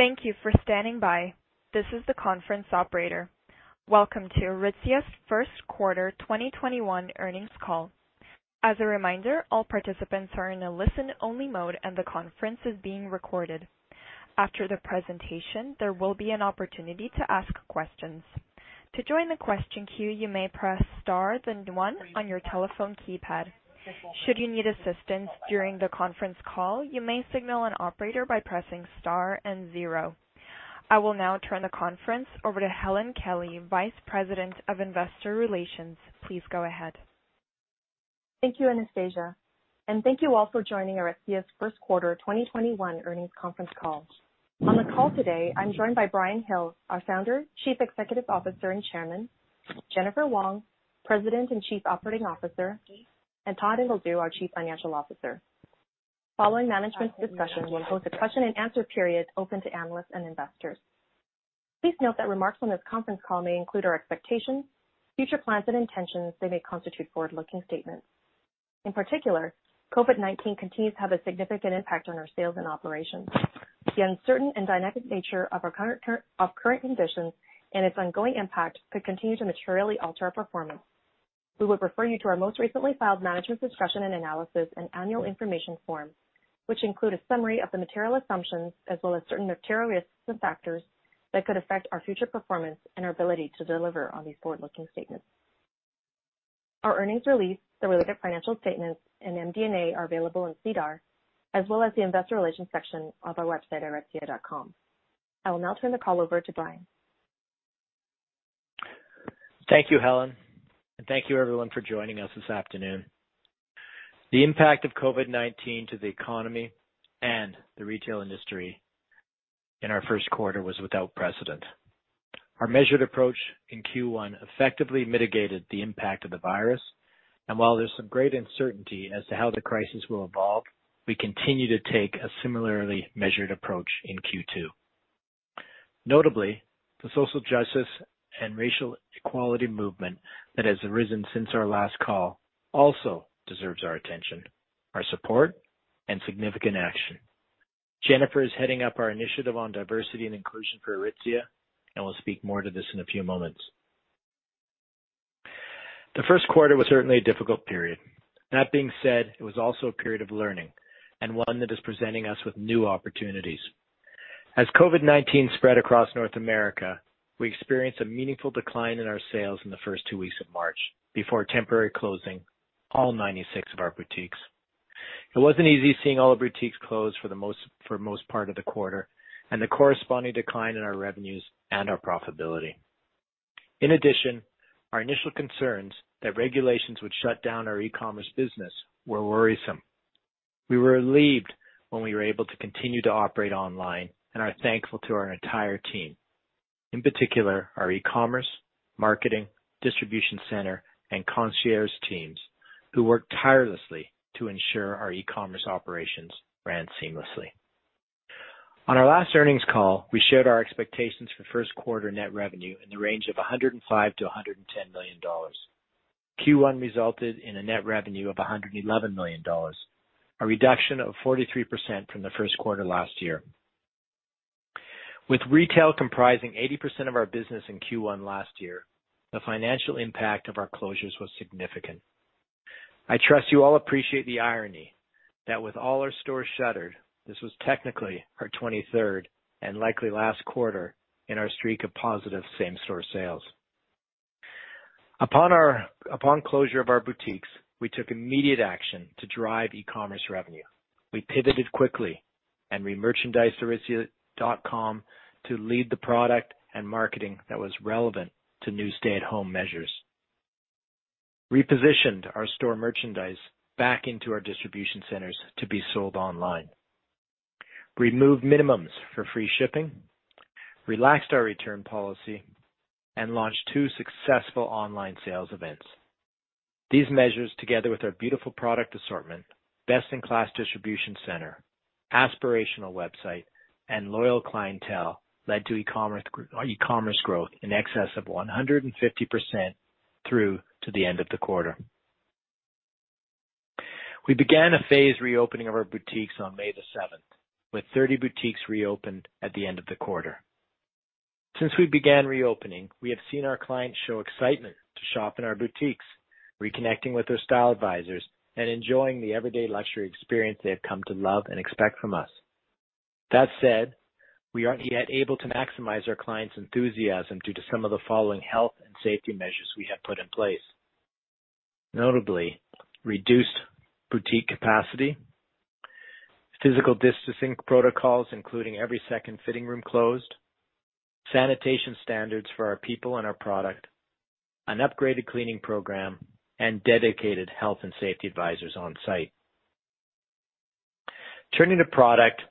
Thank you for standing by. This is the conference operator. Welcome to Aritzia's first quarter 2021 earnings call. As a reminder, all participants are in a listen-only mode, and the conference is being recorded. After the presentation, there will be an opportunity to ask questions. To join the question queue, you may press star then one on your telephone keypad. Should you need assistance during the conference call, you may signal an operator by pressing star and zero. I will now turn the conference over to Helen Kelly, Vice President of Investor Relations. Please go ahead. Thank you, Anastasia. Thank you all for joining Aritzia's first quarter 2021 earnings conference call. On the call today, I'm joined by Brian Hill, our founder, Chief Executive Officer, and Chairman, Jennifer Wong, President and Chief Operating Officer, and Todd Ingledew, our Chief Financial Officer. Following management's discussion, we'll host a question and answer period open to analysts and investors. Please note that remarks on this conference call may include our expectations, future plans, and intentions. They may constitute forward-looking statements. In particular, COVID-19 continues to have a significant impact on our sales and operations. The uncertain and dynamic nature of current conditions and its ongoing impact could continue to materially alter our performance. We would refer you to our most recently filed management's discussion and analysis and annual information form, which include a summary of the material assumptions as well as certain material risks and factors that could affect our future performance and our ability to deliver on these forward-looking statements. Our earnings release, the related financial statements, and MD&A are available in SEDAR, as well as the investor relations section of our website, aritzia.com. I will now turn the call over to Brian. Thank you, Helen, thank you, everyone, for joining us this afternoon. The impact of COVID-19 to the economy and the retail industry in our first quarter was without precedent. Our measured approach in Q1 effectively mitigated the impact of the virus, and while there's some great uncertainty as to how the crisis will evolve, we continue to take a similarly measured approach in Q2. Notably, the social justice and racial equality movement that has arisen since our last call also deserves our attention, our support, and significant action. Jennifer is heading up our initiative on diversity and inclusion for Aritzia and will speak more to this in a few moments. The first quarter was certainly a difficult period. That being said, it was also a period of learning and one that is presenting us with new opportunities. As COVID-19 spread across North America, we experienced a meaningful decline in our sales in the first two weeks of March before temporarily closing all 96 of our boutiques. It wasn't easy seeing all the boutiques closed for the most part of the quarter and the corresponding decline in our revenues and our profitability. In addition, our initial concerns that regulations would shut down our e-commerce business were worrisome. We were relieved when we were able to continue to operate online and are thankful to our entire team, in particular, our e-commerce, marketing, distribution center, and concierge teams, who worked tirelessly to ensure our e-commerce operations ran seamlessly. On our last earnings call, we shared our expectations for first quarter net revenue in the range of 105 million-110 million dollars. Q1 resulted in a net revenue of 111 million dollars, a reduction of 43% from the first quarter last year. With retail comprising 80% of our business in Q1 last year, the financial impact of our closures was significant. I trust you all appreciate the irony that with all our stores shuttered, this was technically our 23rd and likely last quarter in our streak of positive same-store sales. Upon closure of our boutiques, we took immediate action to drive e-commerce revenue. We pivoted quickly and re-merchandised aritzia.com to lead the product and marketing that was relevant to new stay-at-home measures, repositioned our store merchandise back into our distribution centers to be sold online, removed minimums for free shipping, relaxed our return policy, and launched two successful online sales events. These measures, together with our beautiful product assortment, best-in-class distribution center, aspirational website, and loyal clientele, led to e-commerce growth in excess of 150% through to the end of the quarter. We began a phased reopening of our boutiques on May the 7th, with 30 boutiques reopened at the end of the quarter. Since we began reopening, we have seen our clients show excitement to shop in our boutiques, reconnecting with their style advisors and enjoying the everyday luxury experience they have come to love and expect from us. That said, we aren't yet able to maximize our clients' enthusiasm due to some of the following health and safety measures we have put in place. Notably, reduced boutique capacity, physical distancing protocols, including every second fitting room closed, sanitation standards for our people and our product, an upgraded cleaning program, and dedicated health and safety advisors on site. Turning to product,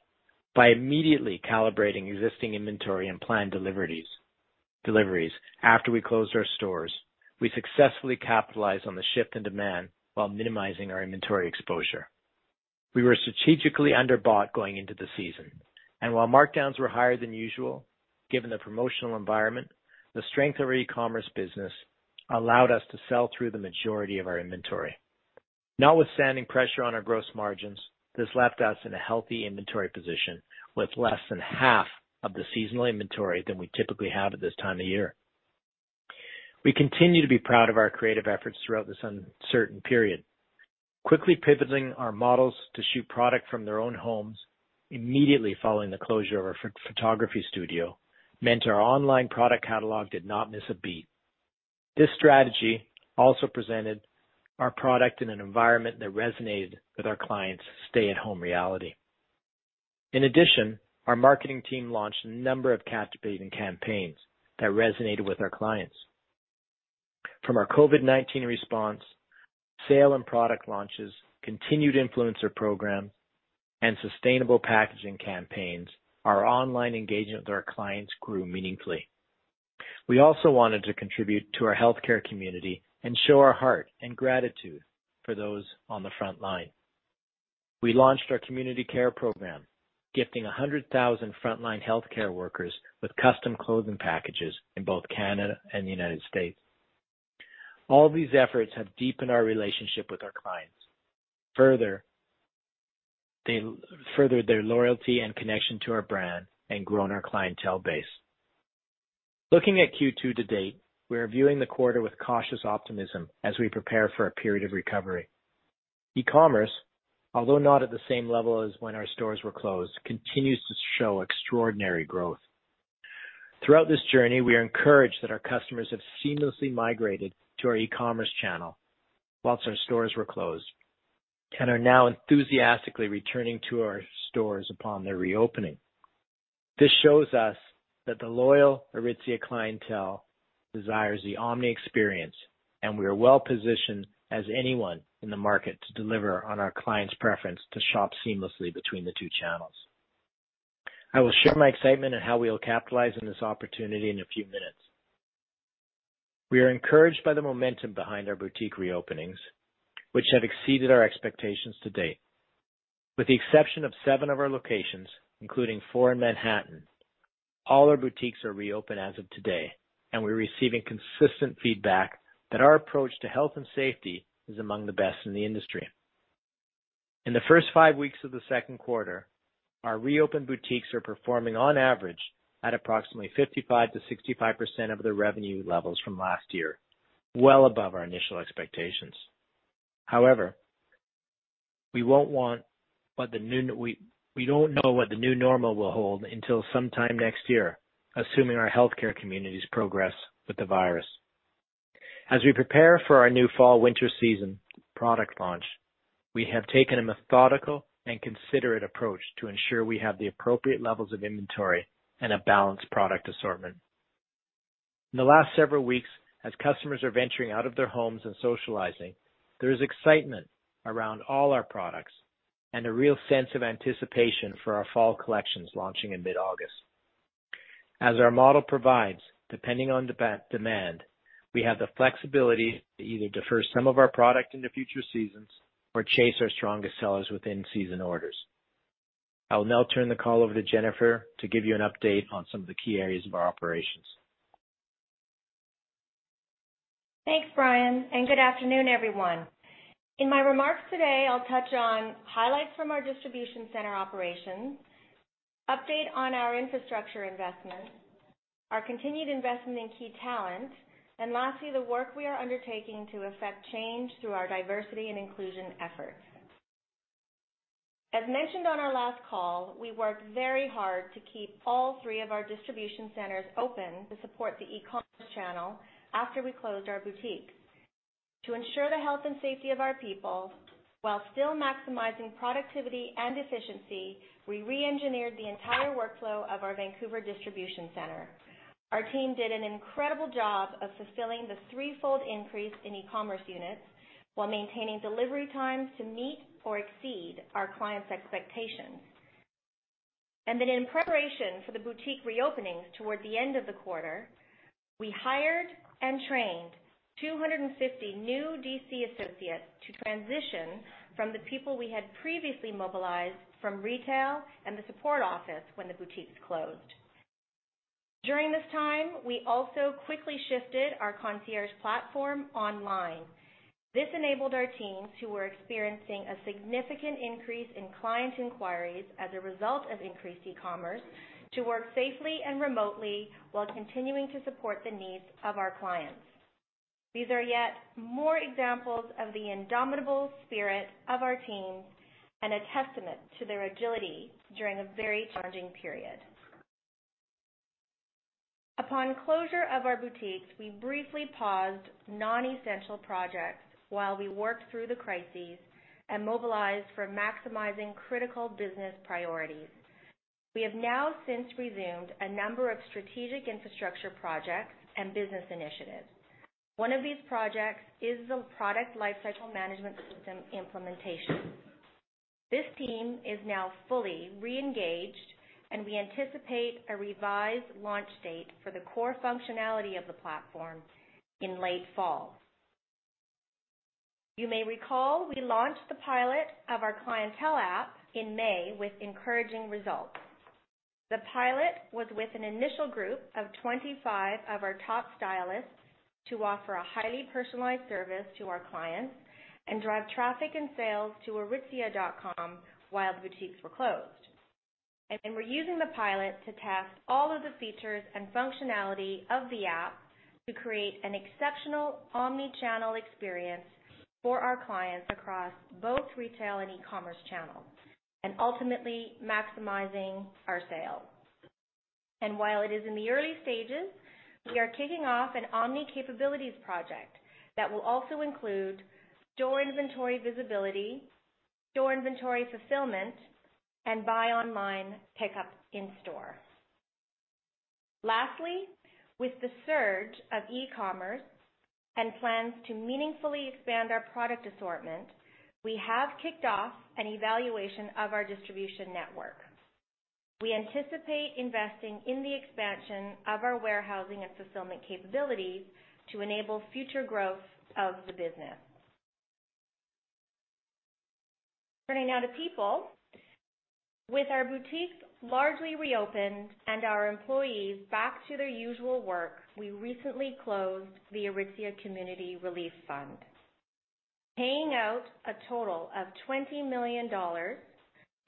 by immediately calibrating existing inventory and planned deliveries after we closed our stores, we successfully capitalized on the shift in demand while minimizing our inventory exposure. We were strategically underbought going into the season, and while markdowns were higher than usual, given the promotional environment, the strength of our e-commerce business allowed us to sell through the majority of our inventory. Notwithstanding pressure on our gross margins, this left us in a healthy inventory position with less than half of the seasonal inventory than we typically have at this time of year. We continue to be proud of our creative efforts throughout this uncertain period. Quickly pivoting our models to shoot product from their own homes immediately following the closure of our photography studio meant our online product catalog did not miss a beat. This strategy also presented our product in an environment that resonated with our clients' stay-at-home reality. In addition, our marketing team launched a number of captivating campaigns that resonated with our clients. From our COVID-19 response, sale and product launches, continued influencer program, and sustainable packaging campaigns, our online engagement with our clients grew meaningfully. We also wanted to contribute to our healthcare community and show our heart and gratitude for those on the front line. We launched our Community Care Program, gifting 100,000 frontline healthcare workers with custom clothing packages in both Canada and the United States. These efforts have deepened our relationship with our clients, furthered their loyalty and connection to our brand, and grown our clientele base. Looking at Q2 to date, we are viewing the quarter with cautious optimism as we prepare for a period of recovery. E-commerce, although not at the same level as when our stores were closed, continues to show extraordinary growth. Throughout this journey, we are encouraged that our customers have seamlessly migrated to our e-commerce channel whilst our stores were closed and are now enthusiastically returning to our stores upon their reopening. This shows us that the loyal Aritzia clientele desires the omni-experience, and we are well positioned as anyone in the market to deliver on our clients' preference to shop seamlessly between the two channels. I will share my excitement on how we will capitalize on this opportunity in a few minutes. We are encouraged by the momentum behind our boutique reopenings, which have exceeded our expectations to date. With the exception of seven of our locations, including four in Manhattan, all our boutiques are reopen as of today, and we're receiving consistent feedback that our approach to health and safety is among the best in the industry. In the first five weeks of the second quarter, our reopen boutiques are performing on average at approximately 55%-65% of the revenue levels from last year, well above our initial expectations. However, we don't know what the new normal will hold until sometime next year, assuming our healthcare communities progress with the virus. As we prepare for our new fall/winter season product launch, we have taken a methodical and considerate approach to ensure we have the appropriate levels of inventory and a balanced product assortment. In the last several weeks, as customers are venturing out of their homes and socializing, there is excitement around all our products and a real sense of anticipation for our fall collections launching in mid-August. As our model provides, depending on demand, we have the flexibility to either defer some of our product into future seasons or chase our strongest sellers within season orders. I will now turn the call over to Jennifer to give you an update on some of the key areas of our operations. Thanks, Brian, and good afternoon, everyone. In my remarks today, I'll touch on highlights from our distribution center operations, update on our infrastructure investments, our continued investment in key talent, and lastly, the work we are undertaking to affect change through our diversity and inclusion efforts. As mentioned on our last call, we worked very hard to keep all three of our distribution centers open to support the e-commerce channel after we closed our boutiques. To ensure the health and safety of our people while still maximizing productivity and efficiency, we re-engineered the entire workflow of our Vancouver distribution center. Our team did an incredible job of fulfilling the threefold increase in e-commerce units while maintaining delivery times to meet or exceed our clients' expectations. In preparation for the boutique reopenings toward the end of the quarter, we hired and trained 250 new DC associates to transition from the people we had previously mobilized from retail and the support office when the boutiques closed. During this time, we also quickly shifted our concierge platform online. This enabled our teams, who were experiencing a significant increase in client inquiries as a result of increased e-commerce, to work safely and remotely while continuing to support the needs of our clients. These are yet more examples of the indomitable spirit of our teams and a testament to their agility during a very challenging period. Upon closure of our boutiques, we briefly paused non-essential projects while we worked through the crises and mobilized for maximizing critical business priorities. We have now since resumed a number of strategic infrastructure projects and business initiatives. One of these projects is the product lifecycle management system implementation. This team is now fully re-engaged, and we anticipate a revised launch date for the core functionality of the platform in late fall. You may recall we launched the pilot of our Clientele app in May with encouraging results. The pilot was with an initial group of 25 of our top stylists to offer a highly personalized service to our clients and drive traffic and sales to aritzia.com while boutiques were closed. We're using the pilot to test all of the features and functionality of the app to create an exceptional omni-channel experience for our clients across both retail and e-commerce channels, and ultimately maximizing our sales. While it is in the early stages, we are kicking off an omni-capabilities project that will also include store inventory visibility, store inventory fulfillment, and buy online, pickup in store. Lastly, with the surge of e-commerce and plans to meaningfully expand our product assortment, we have kicked off an evaluation of our distribution network. We anticipate investing in the expansion of our warehousing and fulfillment capabilities to enable future growth of the business. Turning now to people. With our boutiques largely reopened and our employees back to their usual work, we recently closed the Aritzia Community Relief Fund, paying out a total of 20 million dollars.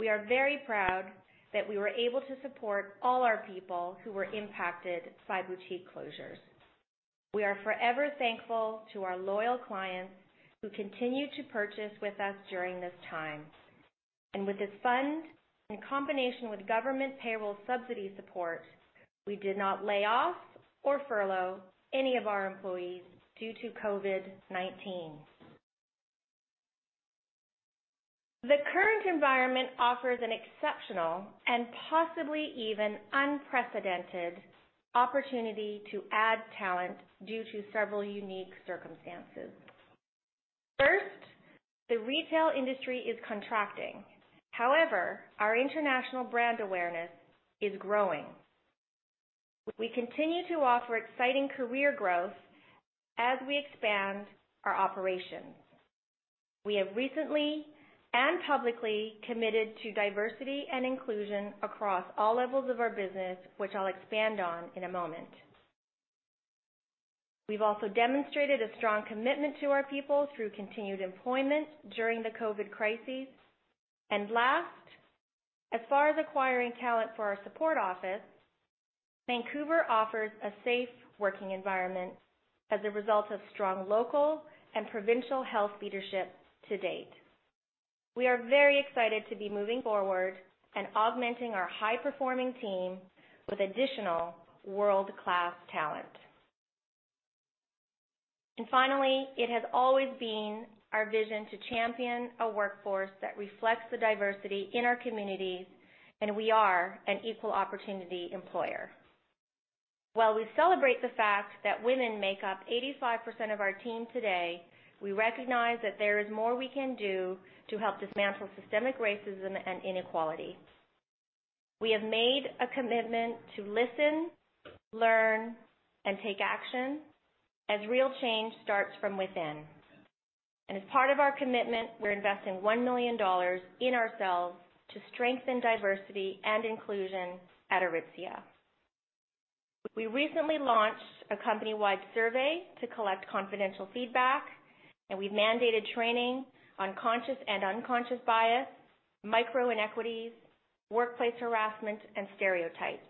We are very proud that we were able to support all our people who were impacted by boutique closures. We are forever thankful to our loyal clients who continued to purchase with us during this time. With this fund, in combination with government payroll subsidy support, we did not lay off or furlough any of our employees due to COVID-19. The current environment offers an exceptional and possibly even unprecedented opportunity to add talent due to several unique circumstances. First, the retail industry is contracting. However, our international brand awareness is growing. We continue to offer exciting career growth as we expand our operations. We have recently and publicly committed to diversity and inclusion across all levels of our business, which I'll expand on in a moment. We've also demonstrated a strong commitment to our people through continued employment during the COVID-19. Last, as far as acquiring talent for our support office, Vancouver offers a safe working environment as a result of strong local and provincial health leadership to date. We are very excited to be moving forward and augmenting our high-performing team with additional world-class talent. Finally, it has always been our vision to champion a workforce that reflects the diversity in our communities, and we are an equal opportunity employer. While we celebrate the fact that women make up 85% of our team today, we recognize that there is more we can do to help dismantle systemic racism and inequality. We have made a commitment to listen, learn, and take action, as real change starts from within. As part of our commitment, we're investing 1 million dollars in ourselves to strengthen diversity and inclusion at Aritzia. We recently launched a company-wide survey to collect confidential feedback, and we've mandated training on conscious and unconscious bias, micro-inequities, workplace harassment, and stereotypes.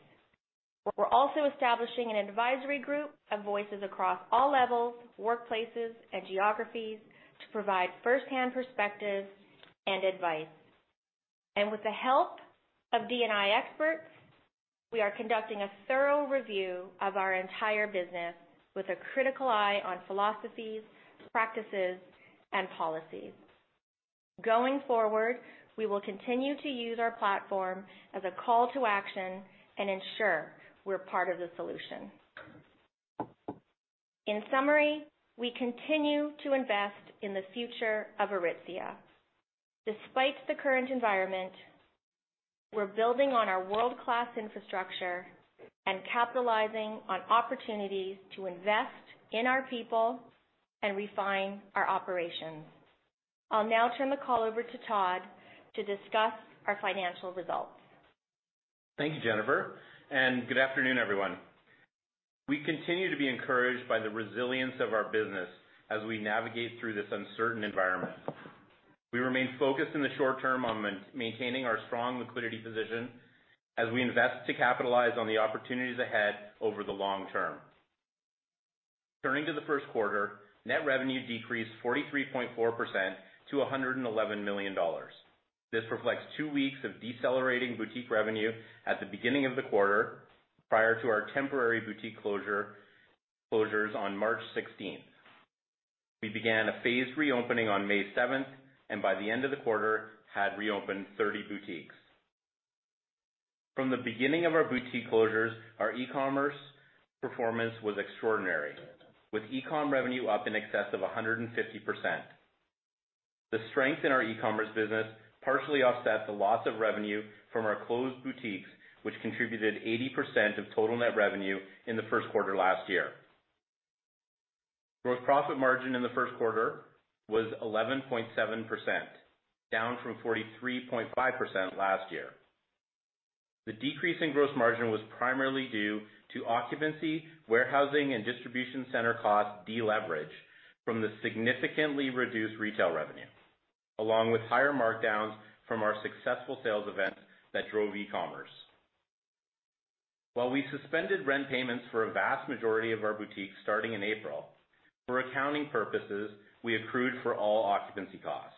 We're also establishing an advisory group of voices across all levels, workplaces, and geographies to provide firsthand perspectives and advice. With the help of D&I experts, we are conducting a thorough review of our entire business with a critical eye on philosophies, practices, and policies. Going forward, we will continue to use our platform as a call to action and ensure we're part of the solution. In summary, we continue to invest in the future of Aritzia. Despite the current environment, we're building on our world-class infrastructure and capitalizing on opportunities to invest in our people and refine our operations. I'll now turn the call over to Todd to discuss our financial results. Thank you, Jennifer, and good afternoon, everyone. We continue to be encouraged by the resilience of our business as we navigate through this uncertain environment. We remain focused in the short term on maintaining our strong liquidity position as we invest to capitalize on the opportunities ahead over the long term. Turning to the first quarter, net revenue decreased 43.4% to 111 million dollars. This reflects two weeks of decelerating boutique revenue at the beginning of the quarter, prior to our temporary boutique closures on March 16th. We began a phased reopening on May 7th, and by the end of the quarter, had reopened 30 boutiques. From the beginning of our boutique closures, our e-commerce performance was extraordinary, with e-com revenue up in excess of 150%. The strength in our e-commerce business partially offset the loss of revenue from our closed boutiques, which contributed 80% of total net revenue in the first quarter last year. Gross profit margin in the first quarter was 11.7%, down from 43.5% last year. The decrease in gross margin was primarily due to occupancy, warehousing, and distribution center cost deleverage from the significantly reduced retail revenue, along with higher markdowns from our successful sales event that drove e-commerce. While we suspended rent payments for a vast majority of our boutiques starting in April, for accounting purposes, we accrued for all occupancy costs.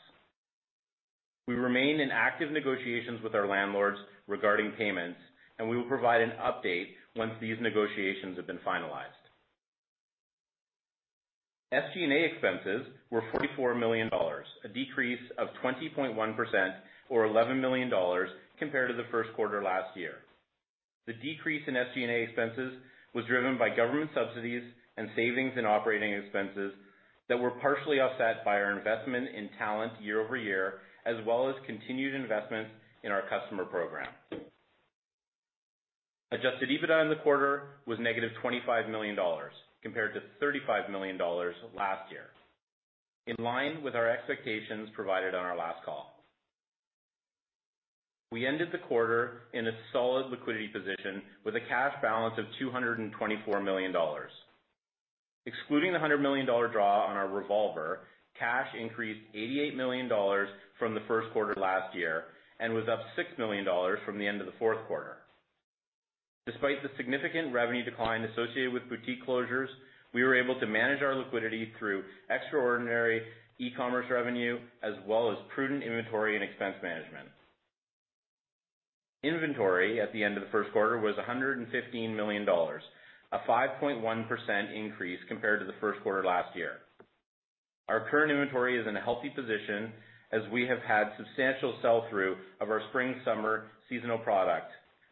We remain in active negotiations with our landlords regarding payments, and we will provide an update once these negotiations have been finalized. SG&A expenses were 44 million dollars, a decrease of 20.1%, or 11 million dollars compared to the first quarter last year. The decrease in SG&A expenses was driven by government subsidies and savings in operating expenses that were partially offset by our investment in talent year-over-year, as well as continued investments in our customer program. Adjusted EBITDA in the quarter was negative 25 million dollars compared to 35 million dollars last year, in line with our expectations provided on our last call. We ended the quarter in a solid liquidity position with a cash balance of 224 million dollars. Excluding the 100 million dollar draw on our revolver, cash increased 88 million dollars from the first quarter last year and was up 6 million dollars from the end of the fourth quarter. Despite the significant revenue decline associated with boutique closures, we were able to manage our liquidity through extraordinary e-commerce revenue as well as prudent inventory and expense management. Inventory at the end of the first quarter was 115 million dollars, a 5.1% increase compared to the first quarter last year. Our current inventory is in a healthy position as we have had substantial sell-through of our spring/summer seasonal product,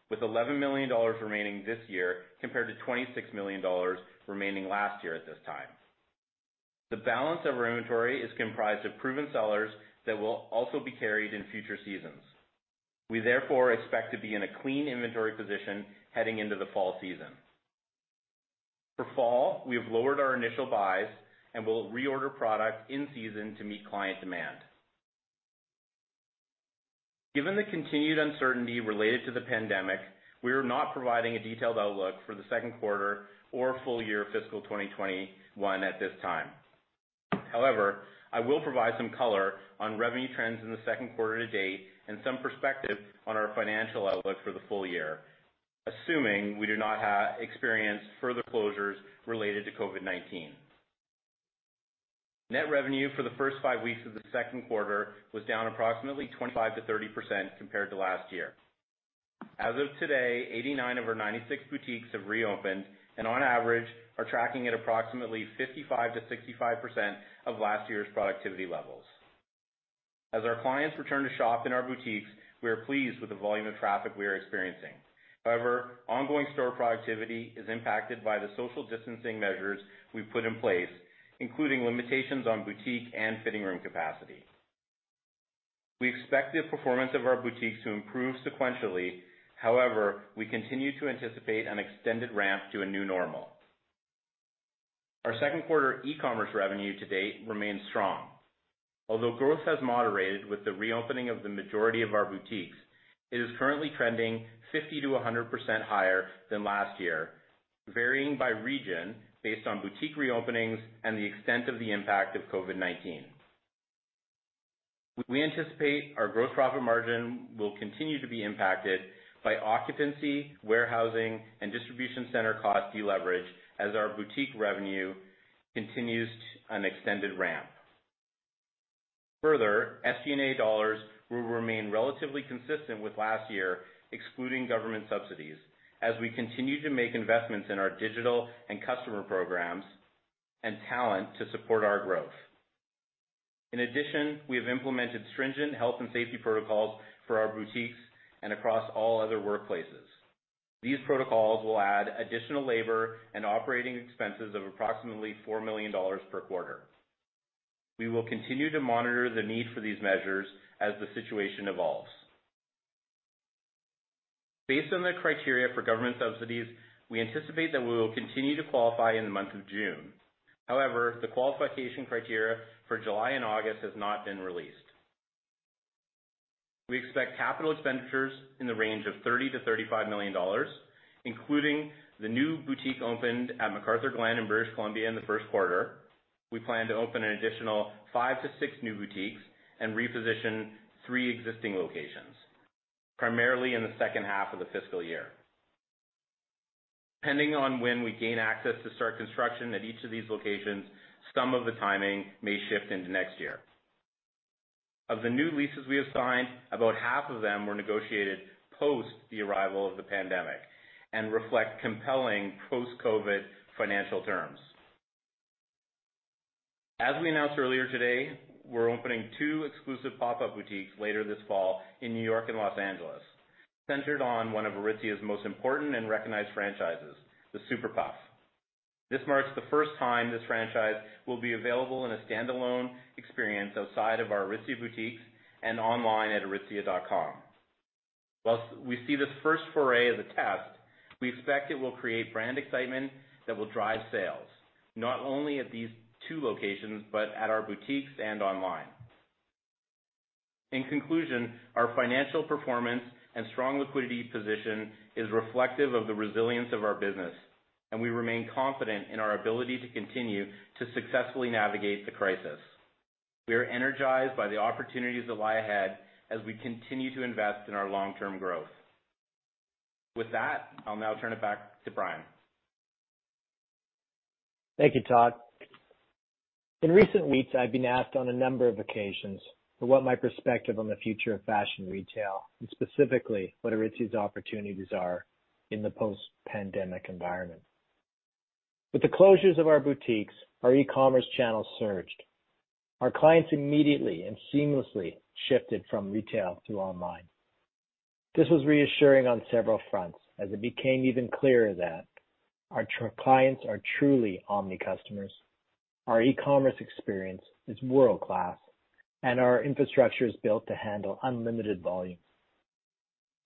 with 11 million dollars remaining this year compared to 26 million dollars remaining last year at this time. The balance of our inventory is comprised of proven sellers that will also be carried in future seasons. We therefore expect to be in a clean inventory position heading into the fall season. For fall, we have lowered our initial buys and will reorder product in season to meet client demand. Given the continued uncertainty related to the pandemic, we are not providing a detailed outlook for the second quarter or full year fiscal 2021 at this time. However, I will provide some color on revenue trends in the second quarter to date and some perspective on our financial outlook for the full year, assuming we do not experience further closures related to COVID-19. Net revenue for the first five weeks of the second quarter was down approximately 25%-30% compared to last year. As of today, 89 of our 96 boutiques have reopened, and on average, are tracking at approximately 55%-65% of last year's productivity levels. As our clients return to shop in our boutiques, we are pleased with the volume of traffic we are experiencing. However, ongoing store productivity is impacted by the social distancing measures we've put in place, including limitations on boutique and fitting room capacity. We expect the performance of our boutiques to improve sequentially. However, we continue to anticipate an extended ramp to a new normal. Our second quarter e-commerce revenue to date remains strong. Although growth has moderated with the reopening of the majority of our boutiques, it is currently trending 50%-100% higher than last year, varying by region based on boutique reopenings and the extent of the impact of COVID-19. We anticipate our gross profit margin will continue to be impacted by occupancy, warehousing, and distribution center cost deleverage as our boutique revenue continues an extended ramp. SG&A dollars will remain relatively consistent with last year, excluding government subsidies, as we continue to make investments in our digital and customer programs and talent to support our growth. In addition, we have implemented stringent health and safety protocols for our boutiques and across all other workplaces. These protocols will add additional labor and operating expenses of approximately 4 million dollars per quarter. We will continue to monitor the need for these measures as the situation evolves. Based on the criteria for government subsidies, we anticipate that we will continue to qualify in the month of June. However, the qualification criteria for July and August has not been released. We expect capital expenditures in the range of 30 million-35 million dollars, including the new boutique opened at McArthurGlen in British Columbia in the first quarter. We plan to open an additional five to six new boutiques and reposition three existing locations, primarily in the second half of the fiscal year. Depending on when we gain access to start construction at each of these locations, some of the timing may shift into next year. Of the new leases we have signed, about half of them were negotiated post the arrival of the pandemic and reflect compelling post-COVID financial terms. As we announced earlier today, we're opening two exclusive pop-up boutiques later this fall in New York and Los Angeles, centered on one of Aritzia's most important and recognized franchises, The Super Puff. This marks the first time this franchise will be available in a standalone experience outside of our Aritzia boutiques and online at aritzia.com. Whilst we see this first foray as a test, we expect it will create brand excitement that will drive sales, not only at these two locations, but at our boutiques and online. In conclusion, our financial performance and strong liquidity position is reflective of the resilience of our business, and we remain confident in our ability to continue to successfully navigate the crisis. We are energized by the opportunities that lie ahead as we continue to invest in our long-term growth. With that, I'll now turn it back to Brian. Thank you, Todd. In recent weeks, I've been asked on a number of occasions for what my perspective on the future of fashion retail, and specifically what Aritzia's opportunities are in the post-pandemic environment. With the closures of our boutiques, our e-commerce channels surged. Our clients immediately and seamlessly shifted from retail to online. This was reassuring on several fronts as it became even clearer that our clients are truly omni customers, our e-commerce experience is world-class, and our infrastructure is built to handle unlimited volume.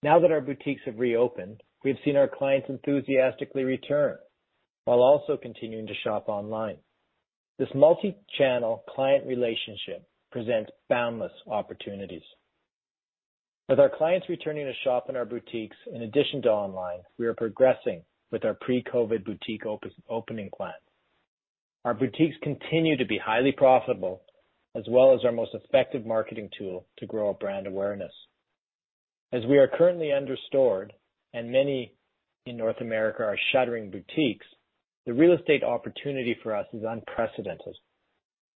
Now that our boutiques have reopened, we've seen our clients enthusiastically return while also continuing to shop online. This multi-channel client relationship presents boundless opportunities. With our clients returning to shop in our boutiques in addition to online, we are progressing with our pre-COVID boutique opening plan. Our boutiques continue to be highly profitable as well as our most effective marketing tool to grow our brand awareness. As we are currently under-stored and many in North America are shuttering boutiques, the real estate opportunity for us is unprecedented.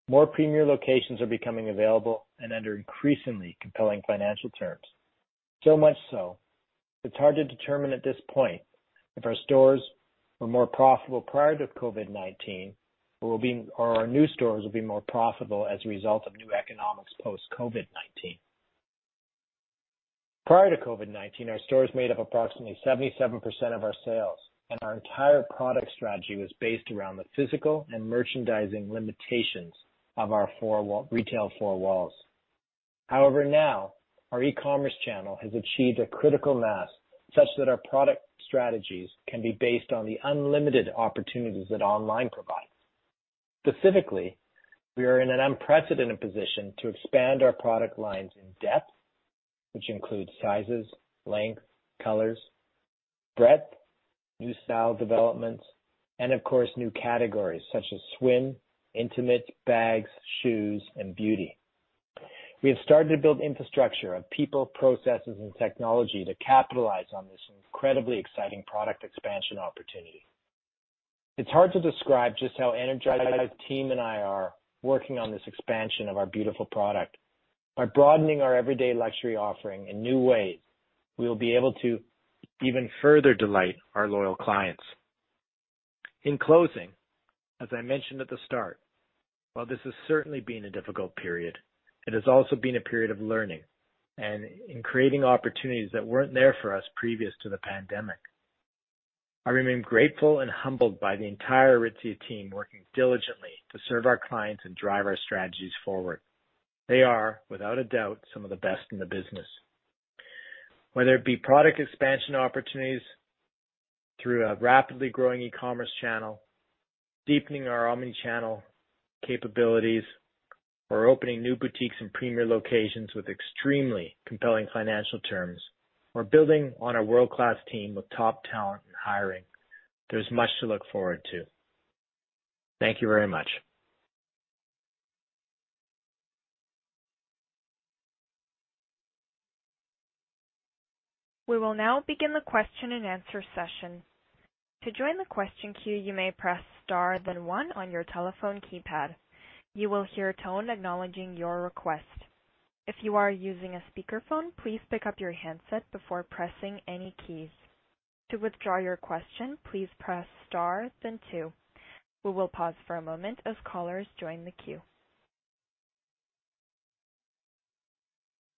More premier locations are becoming available and under increasingly compelling financial terms. So much so, it's hard to determine at this point if our stores were more profitable prior to COVID-19 or our new stores will be more profitable as a result of new economics post-COVID-19. Prior to COVID-19, our stores made up approximately 77% of our sales, and our entire product strategy was based around the physical and merchandising limitations of our retail four walls. However, now our e-commerce channel has achieved a critical mass such that our product strategies can be based on the unlimited opportunities that online provides. Specifically, we are in an unprecedented position to expand our product lines in depth, which includes sizes, length, colors, breadth, new style developments, and of course, new categories such as swim, intimate, bags, shoes, and beauty. We have started to build infrastructure of people, processes, and technology to capitalize on this incredibly exciting product expansion opportunity. It's hard to describe just how energized the team and I are working on this expansion of our beautiful product. By broadening our everyday luxury offering in new ways, we will be able to even further delight our loyal clients. In closing, as I mentioned at the start, while this has certainly been a difficult period, it has also been a period of learning and in creating opportunities that weren't there for us previous to the pandemic. I remain grateful and humbled by the entire Aritzia team working diligently to serve our clients and drive our strategies forward. They are, without a doubt, some of the best in the business. Whether it be product expansion opportunities through a rapidly growing e-commerce channel, deepening our omni-channel capabilities, or opening new boutiques in premier locations with extremely compelling financial terms, we're building on a world-class team with top talent and hiring. There's much to look forward to. Thank you very much. We will now begin the question and answer session. To join the question queue, you may press star then one on your telephone keypad. You will hear a tone acknowledging your request. If you are using a speakerphone, please pick up your handset before pressing any keys. To withdraw your question, please press star then two. We will pause for a moment as callers join the queue.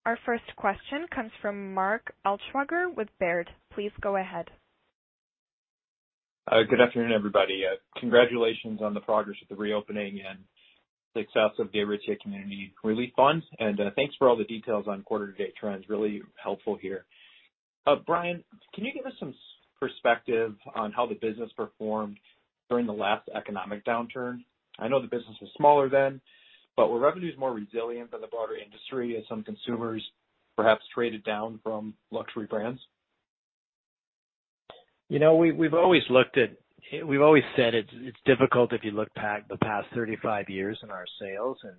Our first question comes from Mark Altschwager with Baird. Please go ahead. Good afternoon, everybody. Congratulations on the progress of the reopening and success of the Aritzia Community Relief Fund, and thanks for all the details on quarter to date trends. Really helpful here. Brian, can you give us some perspective on how the business performed during the last economic downturn? I know the business was smaller then, but were revenues more resilient than the broader industry as some consumers perhaps traded down from luxury brands? We've always said it's difficult if you look back the past 35 years in our sales, and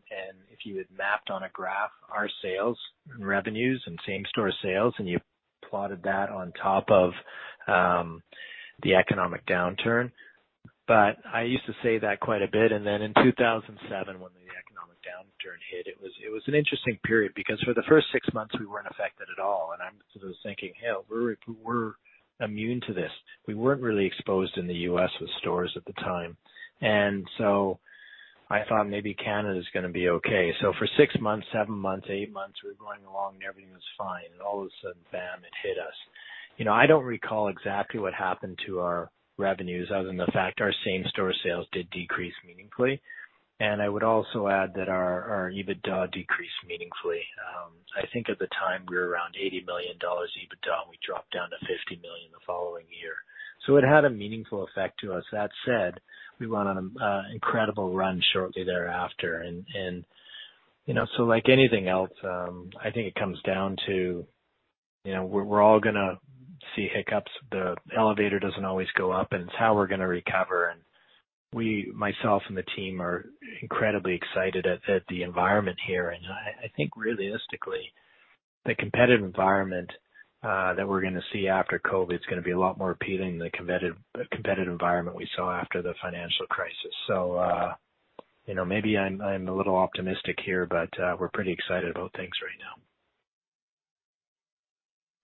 if you had mapped on a graph our sales revenues and same-store sales, and you plotted that on top of the economic downturn. I used to say that quite a bit, then in 2007 when the economic downturn hit, it was an interesting period because for the first six months, we weren't affected at all. I'm sort of thinking, "Hell, we're immune to this." We weren't really exposed in the U.S. with stores at the time. I thought maybe Canada's going to be okay. For six months, seven months, eight months, we were going along and everything was fine, and all of a sudden, bam, it hit us. I don't recall exactly what happened to our revenues other than the fact our same store sales did decrease meaningfully. I would also add that our EBITDA decreased meaningfully. I think at the time, we were around 80 million dollars EBITDA, and we dropped down to 50 million the following year. It had a meaningful effect to us. That said, we went on an incredible run shortly thereafter. Like anything else, I think it comes down to we're all going to see hiccups. The elevator doesn't always go up, and it's how we're going to recover. We, myself and the team, are incredibly excited at the environment here, and I think realistically, the competitive environment that we're going to see after COVID is going to be a lot more appealing than the competitive environment we saw after the financial crisis. Maybe I'm a little optimistic here, but we're pretty excited about things right now.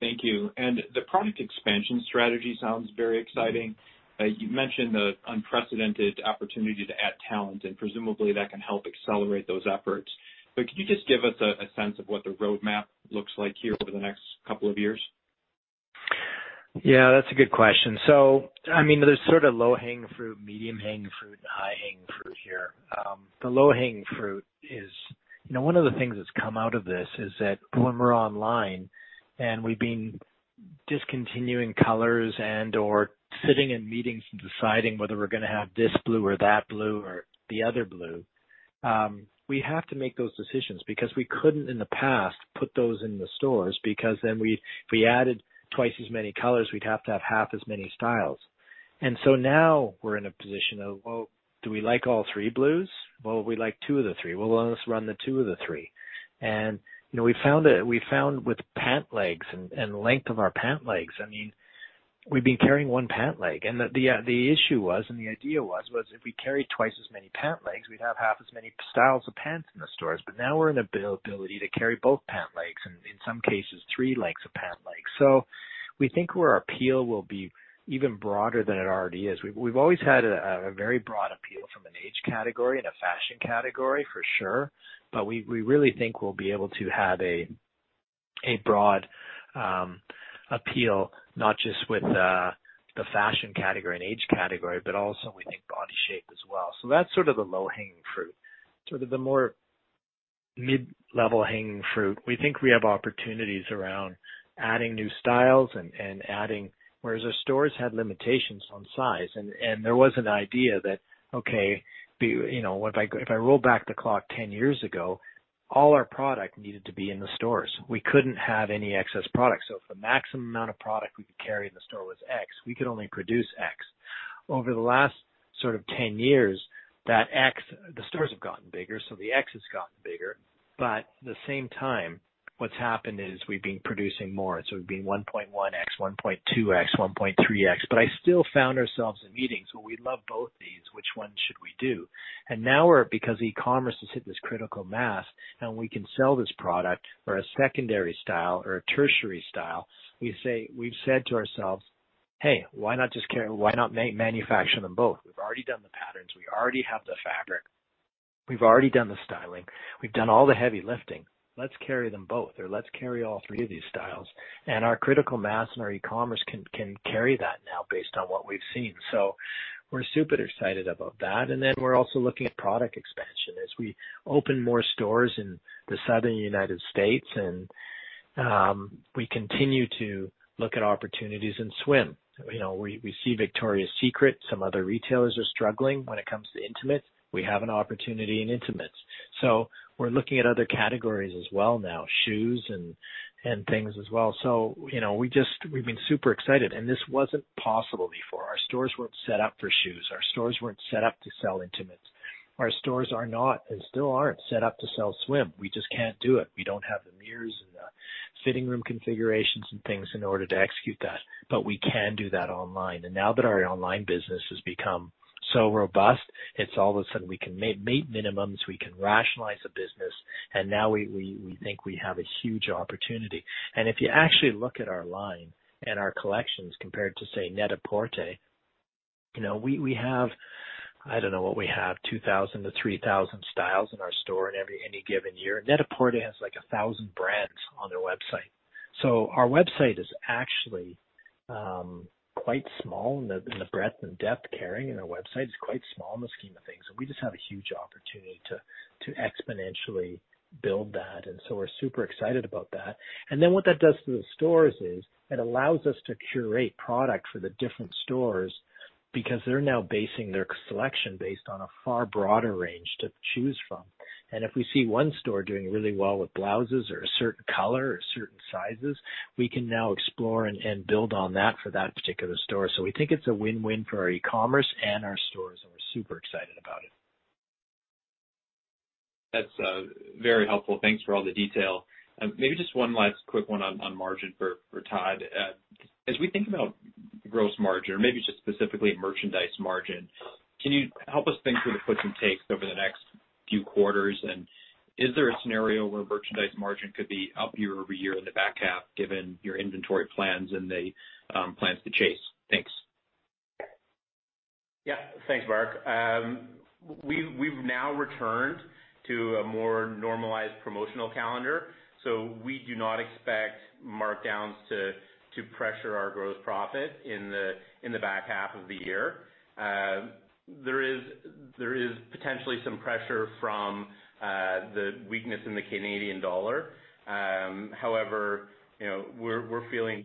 Thank you. The product expansion strategy sounds very exciting. You mentioned the unprecedented opportunity to add talent, and presumably, that can help accelerate those efforts. Could you just give us a sense of what the roadmap looks like here over the next couple of years? Yeah, that's a good question. There's sort of low-hanging fruit, medium-hanging fruit, and high-hanging fruit here. The low-hanging fruit is, one of the things that's come out of this is that when we're online and we've been discontinuing colors and/or sitting in meetings and deciding whether we're going to have this blue or that blue or the other blue. We have to make those decisions because we couldn't, in the past, put those in the stores, because then if we added twice as many colors, we'd have to have half as many styles. Now we're in a position of, well, do we like all three blues? Well, we like two of the three. Well, let us run the two of the three. We found with pant legs and length of our pant legs, we've been carrying one pant leg. The issue was, and the idea was if we carried twice as many pant legs, we'd have half as many styles of pants in the stores. Now we're in the ability to carry both pant legs, and in some cases, three lengths of pant legs. We think our appeal will be even broader than it already is. We've always had a very broad appeal from an age category and a fashion category for sure, but we really think we'll be able to have a broad appeal, not just with the fashion category and age category, but also we think body shape as well. That's sort of the low-hanging fruit. Sort of the more mid-level hanging fruit, we think we have opportunities around adding new styles and adding whereas our stores had limitations on size, and there was an idea that, okay, if I roll back the clock 10 years ago, all our product needed to be in the stores. We couldn't have any excess product. If the maximum amount of product we could carry in the store was X, we could only produce X. Over the last sort of 10 years, the stores have gotten bigger, so the X has gotten bigger. At the same time, what's happened is we've been producing more. We've been 1.1X, 1.2X, 1.3X. I still found ourselves in meetings. Well, we love both these, which one should we do? Now because e-commerce has hit this critical mass and we can sell this product or a secondary style or a tertiary style, we've said to ourselves, "Hey, why not manufacture them both? We've already done the patterns. We already have the fabric. We've already done the styling. We've done all the heavy lifting. Let's carry them both, or let's carry all three of these styles." Our critical mass and our e-commerce can carry that now based on what we've seen. We're super excited about that. We're also looking at product expansion as we open more stores in the Southern United States, and we continue to look at opportunities in swim. We see Victoria's Secret, some other retailers are struggling when it comes to intimates. We have an opportunity in intimates. We're looking at other categories as well now, shoes and things as well. We've been super excited, and this wasn't possible before. Our stores weren't set up for shoes. Our stores weren't set up to sell intimates. Our stores are not, and still aren't, set up to sell swim. We just can't do it. We don't have the mirrors and the sitting room configurations and things in order to execute that. We can do that online. Now that our online business has become so robust, it's all of a sudden we can meet minimums, we can rationalize the business, and now we think we have a huge opportunity. If you actually look at our line and our collections compared to, say, Net-a-Porter, we have, I don't know what we have, 2,000 to 3,000 styles in our store in any given year. Net-a-Porter has, like, 1,000 brands on their website. Our website is actually quite small in the breadth and depth carrying in our website. It's quite small in the scheme of things, and we just have a huge opportunity to exponentially build that, and so we're super excited about that. What that does to the stores is it allows us to curate product for the different stores because they're now basing their selection based on a far broader range to choose from. If we see one store doing really well with blouses or a certain color or certain sizes, we can now explore and build on that for that particular store. We think it's a win-win for our e-commerce and our stores, and we're super excited about it. That's very helpful. Thanks for all the detail. Maybe just one last quick one on margin for Todd. As we think about gross margin, or maybe just specifically merchandise margin, can you help us think through the puts and takes over the next few quarters? Is there a scenario where merchandise margin could be up year-over-year in the back half given your inventory plans and the plans to chase? Thanks. Yeah. Thanks, Mark. We do not expect markdowns to pressure our gross profit in the back half of the year. There is potentially some pressure from the weakness in the Canadian dollar. However, we're feeling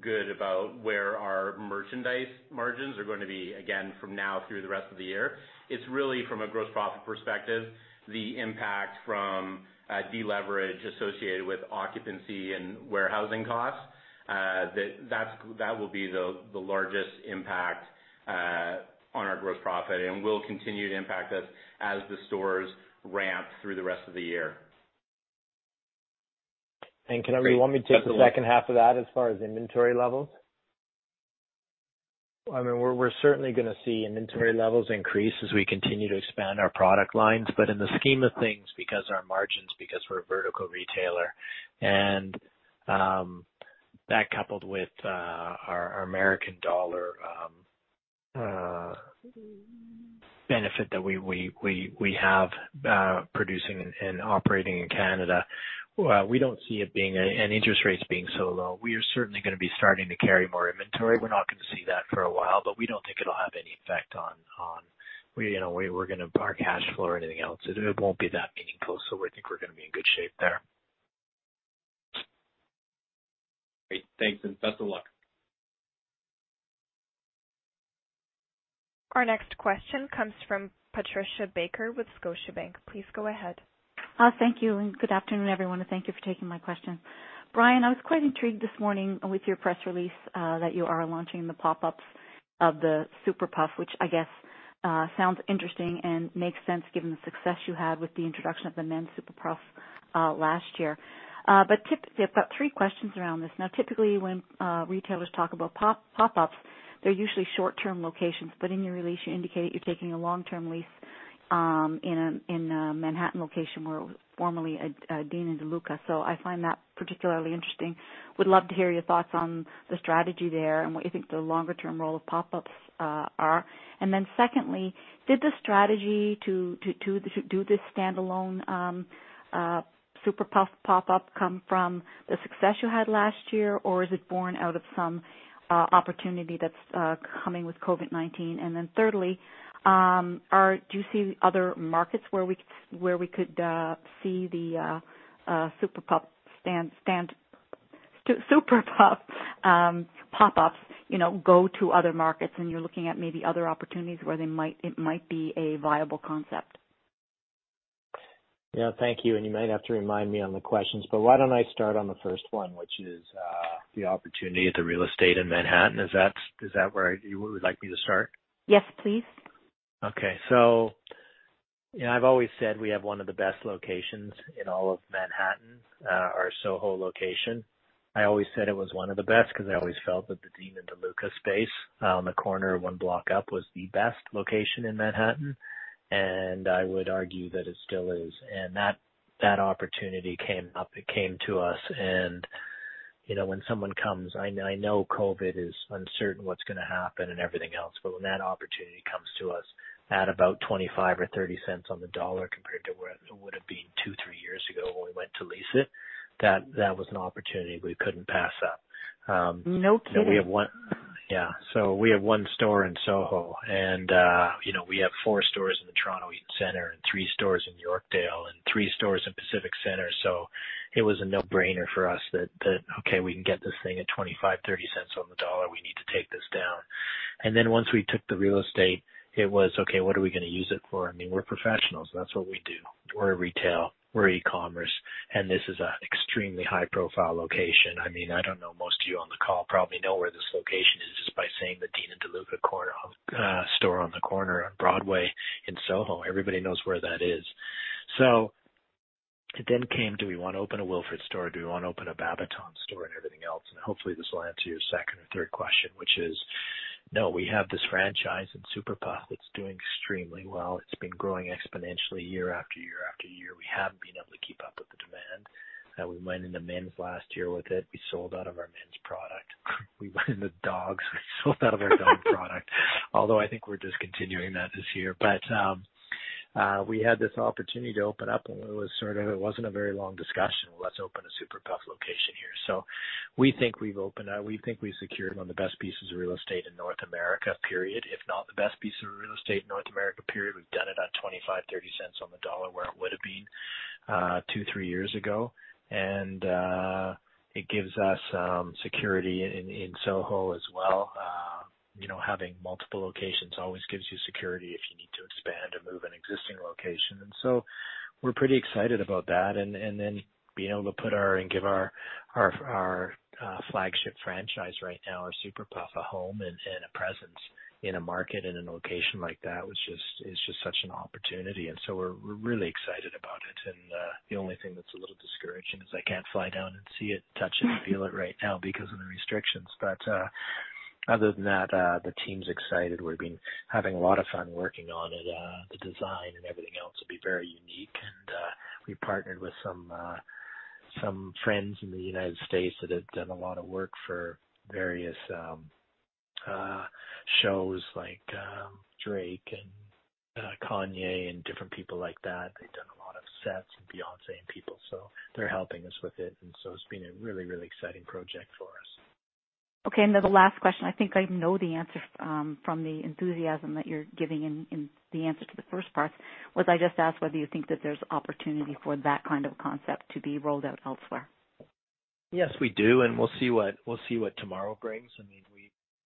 good about where our merchandise margins are going to be, again, from now through the rest of the year. It's really from a gross profit perspective, the impact from a deleverage associated with occupancy and warehousing costs. That will be the largest impact on our gross profit and will continue to impact us as the stores ramp through the rest of the year. And can you- Great. Best of luck. You want me to take the second half of that as far as inventory levels? I mean, we're certainly going to see inventory levels increase as we continue to expand our product lines. In the scheme of things, because our margins, because we're a vertical retailer and that coupled with our U.S. dollar benefit that we have producing and operating in Canada, we don't see it being-- and interest rates being so low, we are certainly going to be starting to carry more inventory. We're not going to see that for a while, but we don't think it'll have any effect on our cash flow or anything else. It won't be that meaningful, so I think we're going to be in good shape there. Great. Thanks, and best of luck. Our next question comes from Patricia Baker with Scotiabank. Please go ahead. Thank you, and good afternoon, everyone, and thank you for taking my question. Brian, I was quite intrigued this morning with your press release, that you are launching the pop-ups of The Super Puff, which I guess sounds interesting and makes sense given the success you had with the introduction of the Men's Super Puff last year. I've got three questions around this. Typically, when retailers talk about pop-ups, they're usually short-term locations. In your release, you indicate you're taking a long-term lease in a Manhattan location where it was formerly a Dean & DeLuca. I find that particularly interesting. Would love to hear your thoughts on the strategy there and what you think the longer-term role of pop-ups are. Secondly, did the strategy to do this standalone Super Puff pop-up come from the success you had last year, or is it born out of some opportunity that's coming with COVID-19? Thirdly, do you see other markets where we could see the Super Puff pop-ups go to other markets and you're looking at maybe other opportunities where it might be a viable concept? Yeah, thank you. You might have to remind me on the questions. Why don't I start on the first one, which is the opportunity at the real estate in Manhattan? Is that where you would like me to start? Yes, please. Okay. Yeah, I've always said we have one of the best locations in all of Manhattan, our Soho location. I always said it was one of the best because I always felt that the Dean & DeLuca space on the corner one block up was the best location in Manhattan, and I would argue that it still is. That opportunity came to us, and when someone comes-- I know COVID is uncertain what's going to happen and everything else. When that opportunity comes to us at about 0.25 or 0.30 on the dollar compared to where it would have been two, three years ago when we went to lease it, that was an opportunity we couldn't pass up. No kidding. Yeah. We have one store in Soho, and we have 4 stores in the Toronto Eaton Centre and 3 stores in Yorkdale and 3 stores in Pacific Centre. It was a no-brainer for us that, okay, we can get this thing at 25, 30 cents on the dollar, we need to take this down. Once we took the real estate, it was, okay, what are we going to use it for? I mean, we're professionals. That's what we do. We're a retail, we're e-commerce, and this is an extremely high-profile location. I don't know, most of you on the call probably know where this location is just by saying the Dean & DeLuca store on the corner on Broadway in Soho. Everybody knows where that is. It then came, do we want to open a Wilfred store? Do we want to open a Babaton store and everything else? Hopefully, this will answer your second or third question, which is, no, we have this franchise in Super Puff that's doing extremely well. It's been growing exponentially year after year after year. We haven't been able to keep up with the demand. We went into men's last year with it. We sold out of our men's product. We went into dogs. We sold out of our dog product. Although I think we're discontinuing that this year. But we had this opportunity to open up, and it wasn't a very long discussion. Let's open a Super Puff location here. We think we've secured one of the best pieces of real estate in North America, period, if not the best piece of real estate in North America, period. We've done it at 0.25, 0.30 on the dollar, where it would have been two, three years ago. It gives us security in Soho as well. Having multiple locations always gives you security if you need to expand or move an existing location. We're pretty excited about that, then being able to put our and give our flagship franchise right now, our Super Puff, a home and a presence in a market, in a location like that is just such an opportunity. We're really excited about it, and the only thing that's a little discouraging is I can't fly down and see it, touch it, and feel it right now because of the restrictions. Other than that, the team's excited. We've been having a lot of fun working on it. The design and everything else will be very unique. We partnered with some friends in the United States that have done a lot of work for various shows like Drake and Kanye and different people like that. They've done a lot of sets and Beyoncé and people, so they're helping us with it. It's been a really exciting project for us. Okay. The last question, I think I know the answer from the enthusiasm that you're giving in the answer to the first part, was I just ask whether you think that there's opportunity for that kind of concept to be rolled out elsewhere? Yes, we do. We'll see what tomorrow brings. We're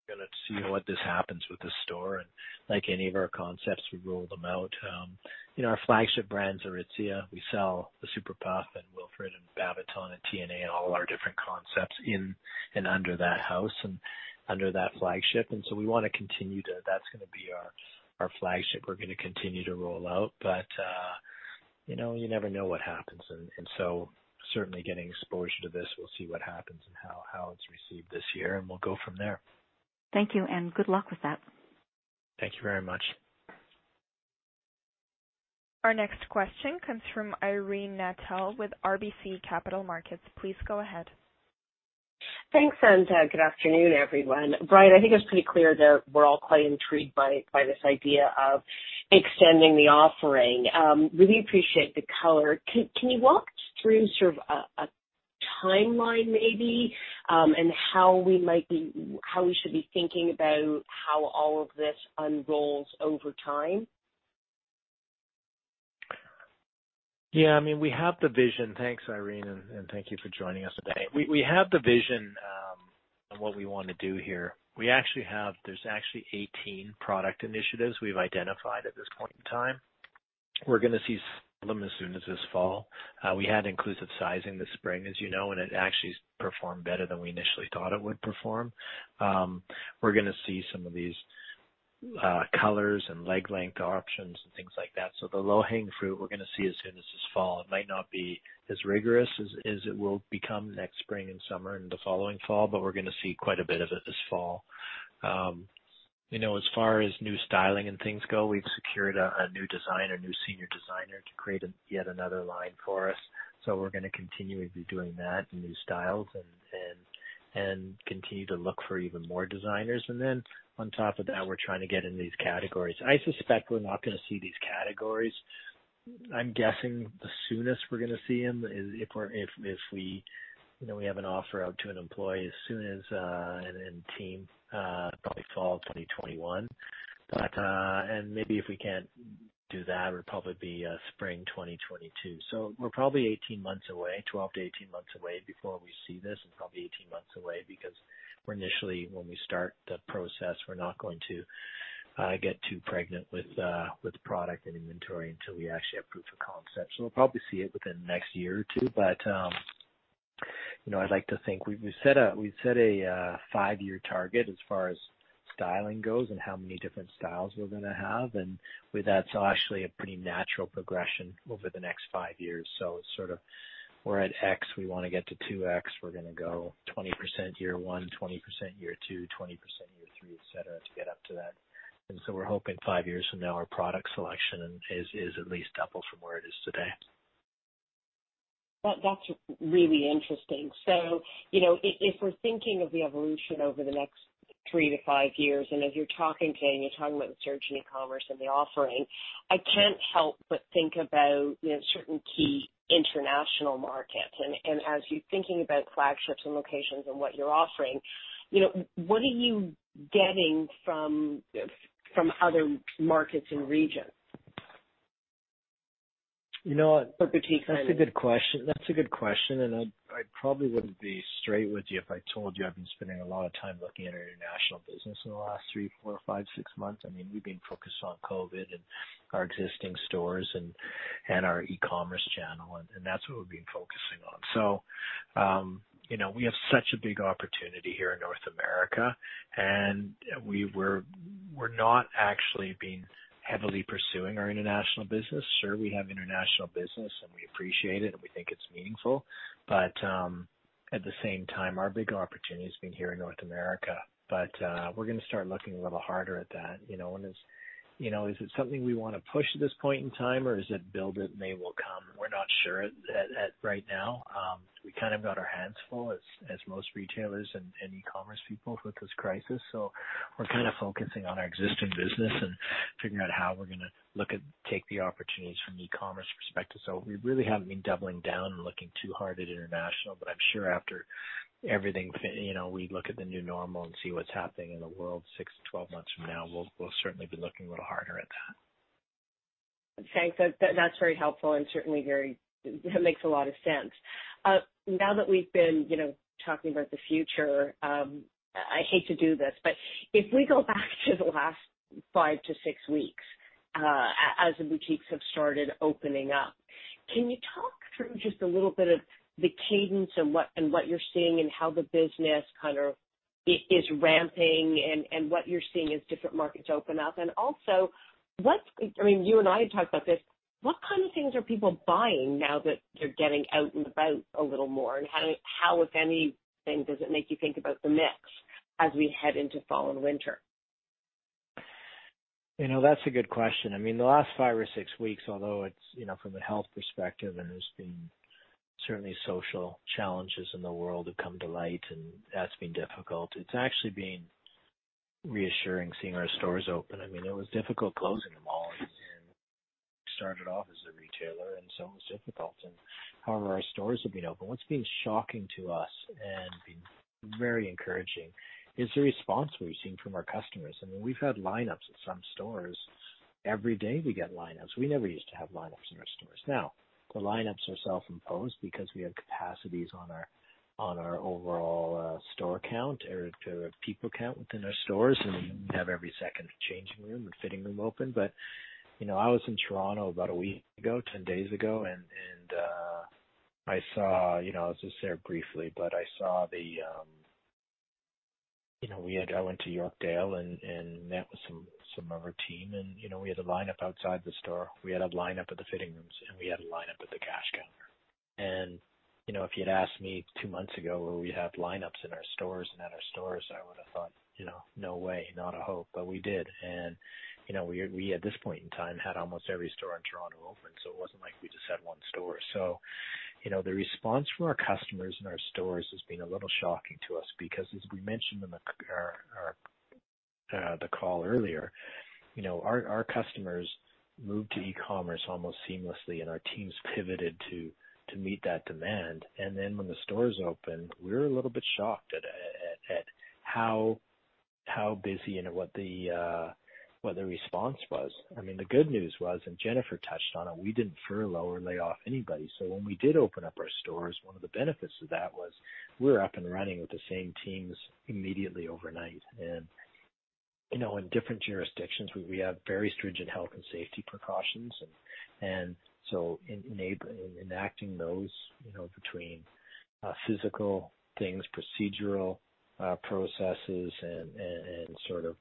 going to see what happens with the store and like any of our concepts, we roll them out. Our flagship brands are Aritzia. We sell The Super Puff and Wilfred and Babaton and Tna and all of our different concepts in and under that house and under that flagship. We want to continue, that's going to be our flagship. We're going to continue to roll out. You never know what happens. Certainly getting exposure to this, we'll see what happens and how it's received this year, and we'll go from there. Thank you, and good luck with that. Thank you very much. Our next question comes from Irene Nattel with RBC Capital Markets. Please go ahead. Thanks. Good afternoon, everyone. Brian, I think it's pretty clear that we're all quite intrigued by this idea of extending the offering. Really appreciate the color. Can you walk through sort of a timeline maybe, and how we should be thinking about how all of this unrolls over time? Yeah, we have the vision. Thanks, Irene, and thank you for joining us today. We have the vision on what we want to do here. There's actually 18 product initiatives we've identified at this point in time. We're going to see some of them as soon as this fall. We had inclusive sizing this spring, as you know, and it actually performed better than we initially thought it would perform. We're going to see some of these colors and leg length options and things like that. The low-hanging fruit we're going to see as soon as this fall. It might not be as rigorous as it will become next spring and summer and the following fall, but we're going to see quite a bit of it this fall. As far as new styling and things go, we've secured a new designer, a new senior designer, to create yet another line for us. We're going to continue to be doing that and new styles and continue to look for even more designers. On top of that, we're trying to get in these categories. I suspect we're not going to see these categories, I'm guessing the soonest we're going to see them is if we have an offer out to an employee and team, probably fall 2021. Maybe if we can't do that, it would probably be spring 2022. We're probably 18 months away, 12 to 18 months away before we see this, and probably 18 months away because we're initially, when we start the process, we're not going to get too pregnant with product and inventory until we actually have proof of concept. We'll probably see it within the next year or two. I'd like to think, we've set a five-year target as far as styling goes and how many different styles we're going to have, and with that, actually a pretty natural progression over the next five years. It's sort of we're at X, we want to get to 2X. We're going to go 20% year 1, 20% year 2, 20% year 3, et cetera, to get up to that. We're hoping five years from now, our product selection is at least double from where it is today. That's really interesting. If we're thinking of the evolution over the next 3-5 years, as you're talking today, and you're talking about the surge in e-commerce and the offering, I can't help but think about certain key international markets. As you're thinking about flagships and locations and what you're offering, what are you getting from other markets and regions? That's a good question, and I probably wouldn't be straight with you if I told you I've been spending a lot of time looking at our international business in the last three, four, five, six months. We've been focused on COVID and our existing stores and our e-commerce channel, and that's what we've been focusing on. We have such a big opportunity here in North America, and we're not actually being heavily pursuing our international business. Sure, we have international business, and we appreciate it, and we think it's meaningful. At the same time, our bigger opportunity has been here in North America. We're going to start looking a little harder at that. Is it something we want to push at this point in time, or is it build it and they will come? We're not sure right now. We kind of got our hands full as most retailers and e-commerce people with this crisis, so we're kind of focusing on our existing business and figuring out how we're going to take the opportunities from an e-commerce perspective. We really haven't been doubling down and looking too hard at international, but I'm sure after everything, we look at the new normal and see what's happening in the world 6 to 12 months from now, we'll certainly be looking a little harder at that. Thanks. That's very helpful and certainly makes a lot of sense. Now that we've been talking about the future, I hate to do this, if we go back to the last five to six weeks, as the boutiques have started opening up, can you talk through just a little bit of the cadence and what you're seeing and how the business kind of is ramping and what you're seeing as different markets open up? Also, you and I have talked about this, what kind of things are people buying now that they're getting out and about a little more, and how, if anything, does it make you think about the mix as we head into fall and winter? That's a good question. The last five or six weeks, although from a health perspective, there's been certainly social challenges in the world have come to light, that's been difficult. It's actually been reassuring seeing our stores open. It was difficult closing them all, we started off as a retailer, so it was difficult. However, our stores have been open. What's been shocking to us and been very encouraging is the response we've seen from our customers. We've had lineups at some stores. Every day we get lineups. We never used to have lineups in our stores. Now, the lineups are self-imposed because we have capacities on our overall store count or people count within our stores, we have every second changing room and fitting room open. I was in Toronto about a week ago, 10 days ago, and I was just there briefly, but I went to Yorkdale and met with some of our team, and we had a lineup outside the store. We had a lineup at the fitting rooms, and we had a lineup at the cash counter. If you'd asked me two months ago, will we have lineups in our stores and at our stores, I would've thought, "No way, not a hope." We did. We, at this point in time, had almost every store in Toronto open, so it wasn't like we just had one store. The response from our customers in our stores has been a little shocking to us because as we mentioned in the call earlier, our customers moved to e-commerce almost seamlessly, and our teams pivoted to meet that demand. When the stores opened, we were a little bit shocked at how busy and what the response was. The good news was, and Jennifer touched on it, we didn't furlough or lay off anybody. When we did open up our stores, one of the benefits of that was we were up and running with the same teams immediately overnight. In different jurisdictions, we have very stringent health and safety precautions, and so enacting those between physical things, procedural processes, and sort of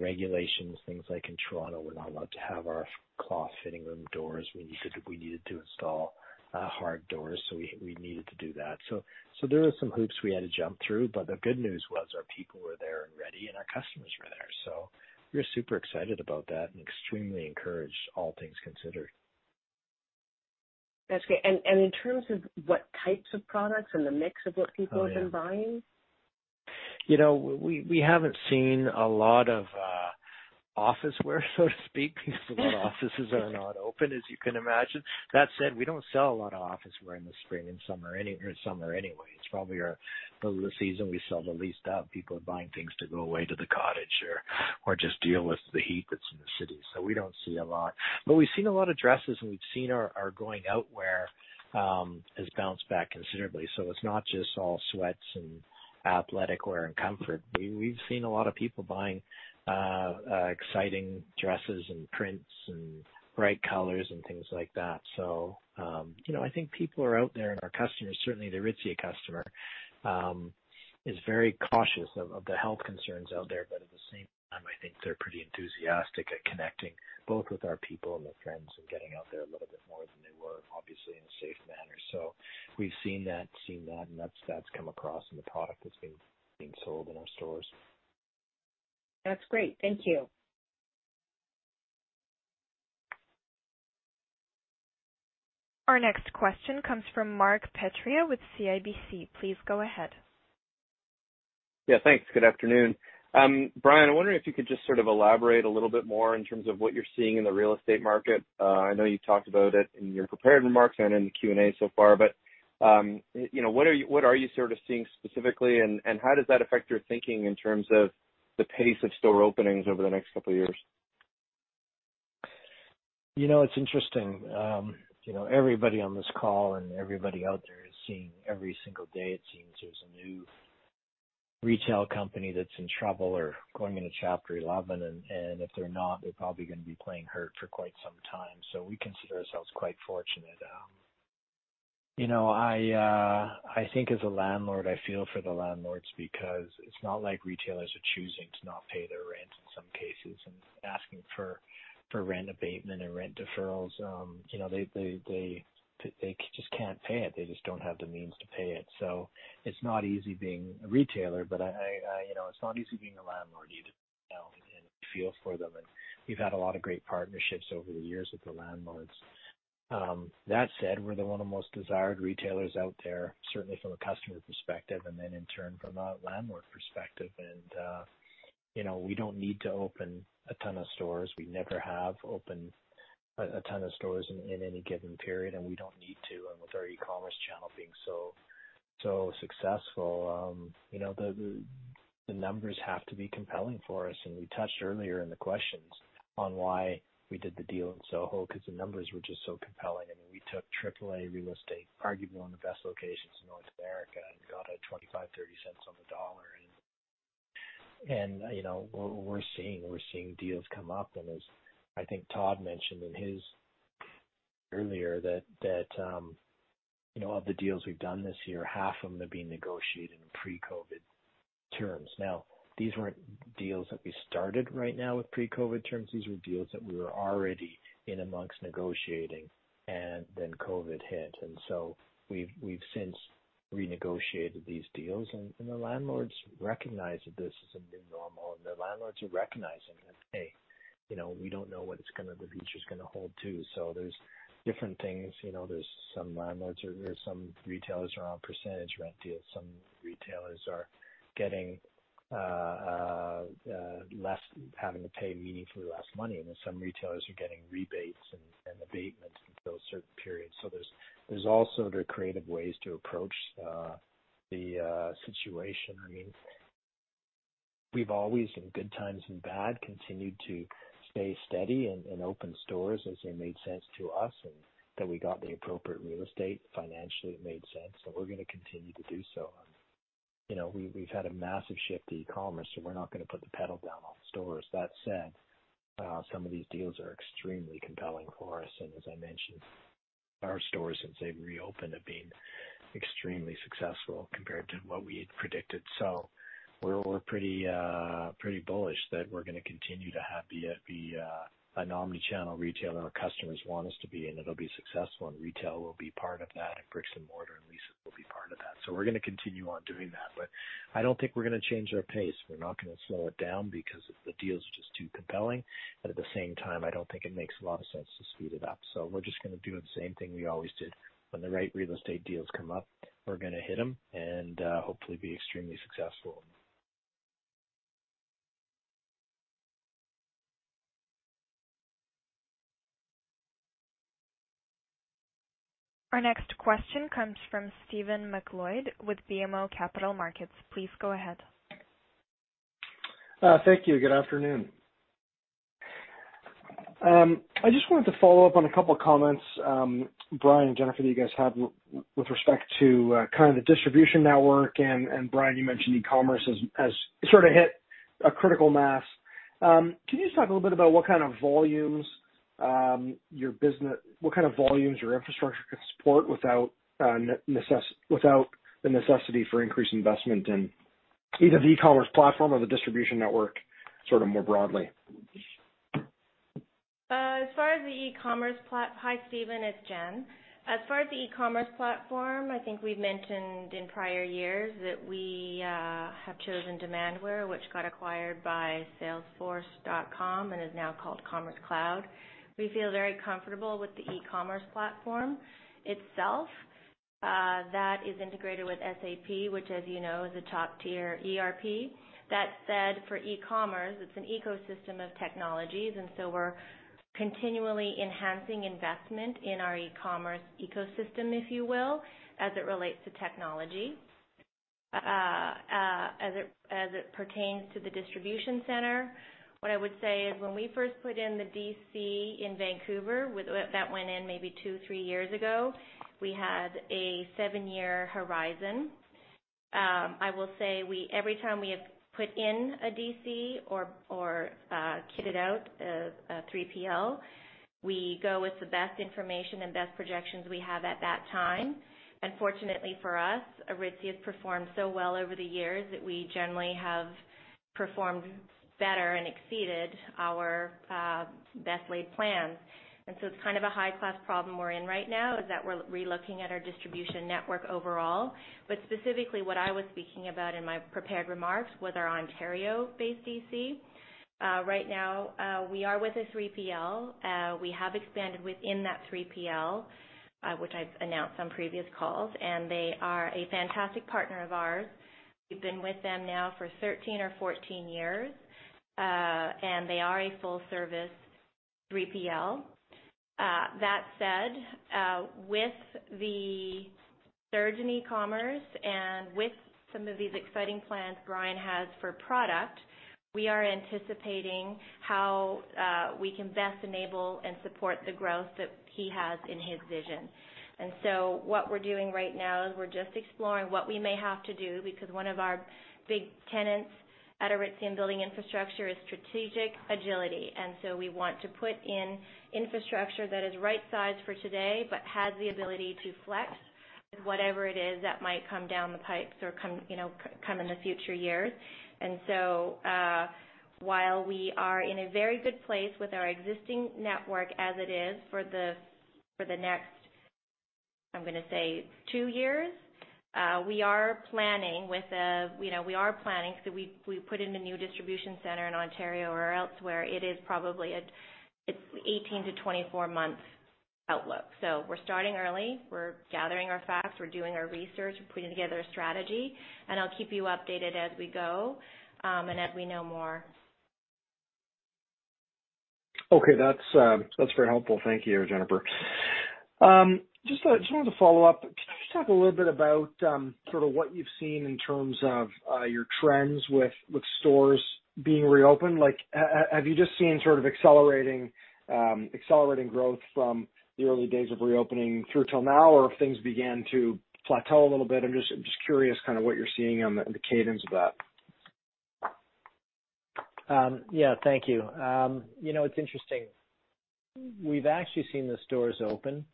regulations, things like in Toronto, we're not allowed to have our cloth fitting room doors. We needed to install hard doors, so we needed to do that. There were some hoops we had to jump through, but the good news was our people were there and ready, and our customers were there. We're super excited about that and extremely encouraged, all things considered. That's great. In terms of what types of products and the mix of what people have been buying? We haven't seen a lot of office wear, so to speak, because a lot of offices are not open, as you can imagine. That said, we don't sell a lot of office wear in the spring and summer anyway. It's probably the season we sell the least of. People are buying things to go away to the cottage or just deal with the heat that's in the city. We don't see a lot. We've seen a lot of dresses, and we've seen our going-out wear has bounced back considerably. It's not just all sweats and athletic wear and comfort. We've seen a lot of people buying exciting dresses and prints and bright colors and things like that. I think people are out there, and our customers, certainly the Aritzia customer, is very cautious of the health concerns out there. At the same time, I think they're pretty enthusiastic at connecting both with our people and their friends and getting out there a little bit more than they were, obviously in a safe manner. We've seen that, and that stats come across in the product that's being sold in our stores. That's great. Thank you. Our next question comes from Mark Petrie with CIBC. Please go ahead. Thanks. Good afternoon. Brian, I'm wondering if you could just sort of elaborate a little bit more in terms of what you're seeing in the real estate market. I know you talked about it in your prepared remarks and in the Q&A so far, but, what are you sort of seeing specifically, and how does that affect your thinking in terms of the pace of store openings over the next couple of years? It's interesting. Everybody on this call and everybody out there is seeing every single day, it seems there's a new retail company that's in trouble or going into Chapter 11, and if they're not, they're probably going to be playing hurt for quite some time. We consider ourselves quite fortunate. I think as a landlord, I feel for the landlords because it's not like retailers are choosing to not pay their rent in some cases and asking for rent abatement and rent deferrals. They just can't pay it. They just don't have the means to pay it. It's not easy being a retailer, but it's not easy being a landlord either, and we feel for them, and we've had a lot of great partnerships over the years with the landlords. That said, we're one of the most desired retailers out there, certainly from a customer perspective, and then in turn, from a landlord perspective. We don't need to open a ton of stores. We never have opened a ton of stores in any given period, and we don't need to, and with our e-commerce channel being so successful. The numbers have to be compelling for us, and we touched earlier in the questions on why we did the deal in Soho, because the numbers were just so compelling, and we took triple A real estate, arguably one of the best locations in North America, and got a 0.25, 0.30 on the dollar. We're seeing deals come up, and as I think Todd mentioned in his earlier that, of the deals we've done this year, half of them have been negotiated in pre-COVID terms. These weren't deals that we started right now with pre-COVID-19 terms. These were deals that we were already in amongst negotiating, then COVID-19 hit. We've since negotiated these deals, the landlords recognize that this is a new normal, the landlords are recognizing that, hey, we don't know what the future's going to hold, too. There's different things. Some retailers are on percentage rent deals. Some retailers are having to pay meaningfully less money, some retailers are getting rebates and abatements until certain periods. There's also the creative ways to approach the situation. We've always, in good times and bad, continued to stay steady and open stores as they made sense to us, and that we got the appropriate real estate. Financially, it made sense, we're going to continue to do so. We've had a massive shift to e-commerce, so we're not going to put the pedal down on stores. That said, some of these deals are extremely compelling for us, and as I mentioned, our stores, since they've reopened, have been extremely successful compared to what we had predicted. We're pretty bullish that we're going to continue to be an omnichannel retailer our customers want us to be, and it'll be successful, and retail will be part of that, and bricks and mortar and leases will be part of that. We're going to continue on doing that, but I don't think we're going to change our pace. We're not going to slow it down because the deals are just too compelling. At the same time, I don't think it makes a lot of sense to speed it up. We're just going to do the same thing we always did. When the right real estate deals come up, we're going to hit them and hopefully be extremely successful. Our next question comes from Stephen MacLeod with BMO Capital Markets. Please go ahead. Thank you. Good afternoon. I just wanted to follow up on a couple comments, Brian and Jennifer, that you guys had with respect to the distribution network. Brian, you mentioned e-commerce has sort of hit a critical mass. Can you just talk a little bit about what kind of volumes your infrastructure could support without the necessity for increased investment in either the e-commerce platform or the distribution network more broadly? Hi, Stephen. It's Jen. As far as the e-commerce platform, I think we've mentioned in prior years that we have chosen Demandware, which got acquired by Salesforce and is now called Commerce Cloud. We feel very comfortable with the e-commerce platform itself. That is integrated with SAP, which, as you know, is a top-tier ERP. That said, for e-commerce, it's an ecosystem of technologies, and so we're continually enhancing investment in our e-commerce ecosystem, if you will, as it relates to technology. As it pertains to the distribution center, what I would say is, when we first put in the DC in Vancouver, that went in maybe two, three years ago, we had a seven-year horizon. I will say every time we have put in a DC or kitted out a 3PL, we go with the best information and best projections we have at that time. Fortunately for us, Aritzia has performed so well over the years that we generally have performed better and exceeded our best laid plans. It's kind of a high-class problem we're in right now, is that we're re-looking at our distribution network overall. Specifically what I was speaking about in my prepared remarks was our Ontario-based DC. Right now, we are with a 3PL. We have expanded within that 3PL, which I've announced on previous calls, and they are a fantastic partner of ours. We've been with them now for 13 or 14 years, and they are a full-service 3PL. That said, with the surge in e-commerce and with some of these exciting plans Brian has for product, we are anticipating how we can best enable and support the growth that he has in his vision. What we're doing right now is we're just exploring what we may have to do, because one of our big tenets at Aritzia in building infrastructure is strategic agility, and so we want to put in infrastructure that is right-sized for today but has the ability to flex with whatever it is that might come down the pipes or come in the future years. While we are in a very good place with our existing network as it is for the next, I'm going to say two years, we are planning, if we put in a new distribution center in Ontario or elsewhere, it's 18-24 months outlook. We're starting early. We're gathering our facts. We're doing our research. We're putting together a strategy, and I'll keep you updated as we go, and as we know more. Okay. That's very helpful. Thank you, Jennifer. Just wanted to follow up. Can I just talk a little bit about what you've seen in terms of your trends with stores being reopened? Have you just seen accelerating growth from the early days of reopening through till now, or have things began to plateau a little bit? I'm just curious what you're seeing on the cadence of that. Yeah. Thank you. It's interesting. We've actually seen the stores open,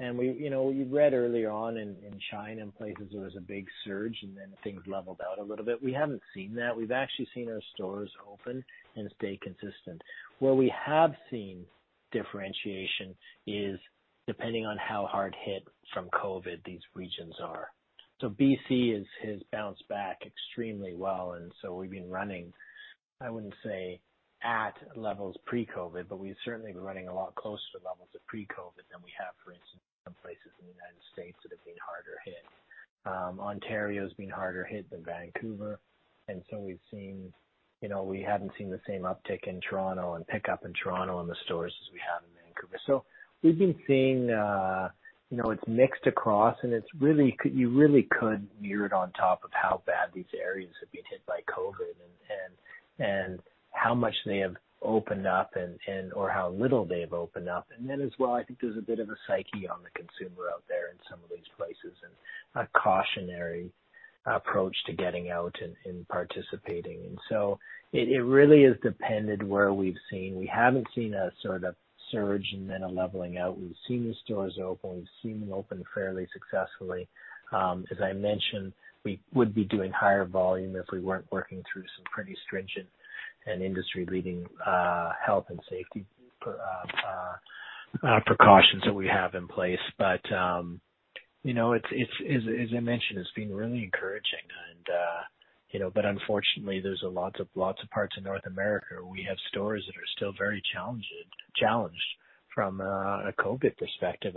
and you read early on in China and places, there was a big surge, and then things leveled out a little bit. We haven't seen that. We've actually seen our stores open and stay consistent. Where we have seen differentiation is depending on how hard hit from COVID-19 these regions are. B.C. has bounced back extremely well, and so we've been running, I wouldn't say at levels pre-COVID-19, but we've certainly been running a lot closer to levels of pre-COVID-19 than we have, for instance, some places in the U.S. that have been harder hit. Ontario's been harder hit than Vancouver, and so we haven't seen the same uptick in Toronto and pickup in Toronto in the stores as we have in Vancouver. We've been seeing it's mixed across, and you really could mirror it on top of how bad these areas have been hit by COVID-19 and how much they have opened up or how little they've opened up. As well, I think there's a bit of a psyche on the consumer out there in some of these places and a cautionary approach to getting out and participating. It really has depended where we've seen. We haven't seen a sort of surge and then a leveling out. We've seen the stores open. We've seen them open fairly successfully. As I mentioned, we would be doing higher volume if we weren't working through some pretty stringent and industry-leading health and safety precautions that we have in place. As I mentioned, it's been really encouraging. Unfortunately, there's lots of parts of North America where we have stores that are still very challenged from a COVID-19 perspective.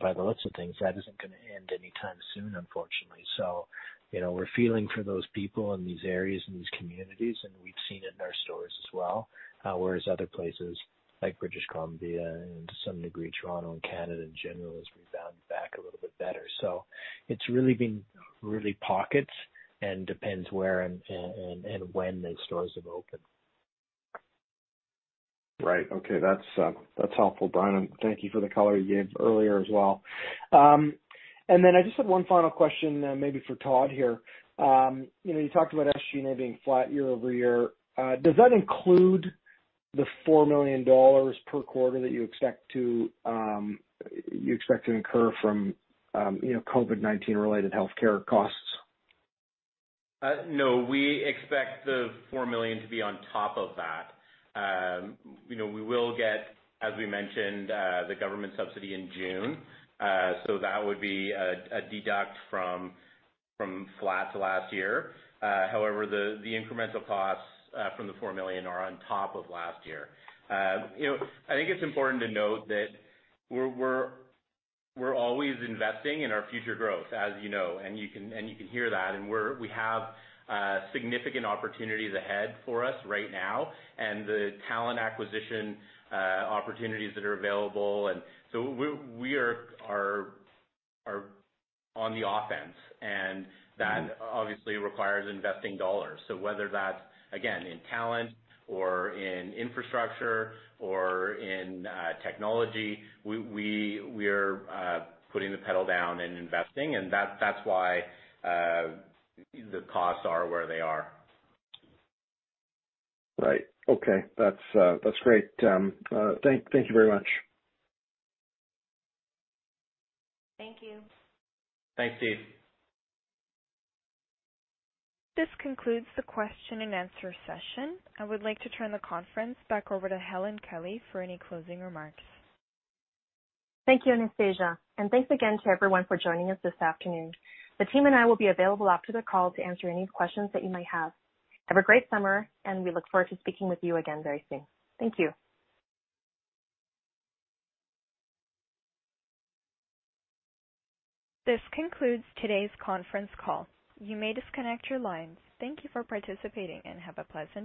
By the looks of things, that isn't going to end anytime soon, unfortunately. We're feeling for those people in these areas and these communities, and we've seen it in our stores as well, whereas other places like British Columbia and to some degree Toronto and Canada in general has rebounded back a little bit better. It's really been pockets and depends where and when these stores have opened. Right. Okay. That's helpful, Brian, and thank you for the color you gave earlier as well. Then I just have one final question, maybe for Todd here. You talked about SG&A being flat year-over-year. Does that include the 4 million dollars per quarter that you expect to incur from COVID-19 related healthcare costs? No, we expect the 4 million to be on top of that. We will get, as we mentioned, the government subsidy in June, that would be a deduct from flat to last year. The incremental costs from the 4 million are on top of last year. I think it's important to note that we're always investing in our future growth, as you know, you can hear that, we have significant opportunities ahead for us right now and the talent acquisition opportunities that are available. We are on the offense, that obviously requires investing dollars. Whether that's, again, in talent or in infrastructure or in technology, we are putting the pedal down and investing, that's why the costs are where they are. Right. Okay. That's great. Thank you very much. Thank you. Thanks, Steve. This concludes the question and answer session. I would like to turn the conference back over to Helen Kelly for any closing remarks. Thank you, Anastasia, and thanks again to everyone for joining us this afternoon. The team and I will be available after the call to answer any questions that you might have. Have a great summer, and we look forward to speaking with you again very soon. Thank you. This concludes today's conference call. You may disconnect your lines. Thank you for participating, and have a pleasant day.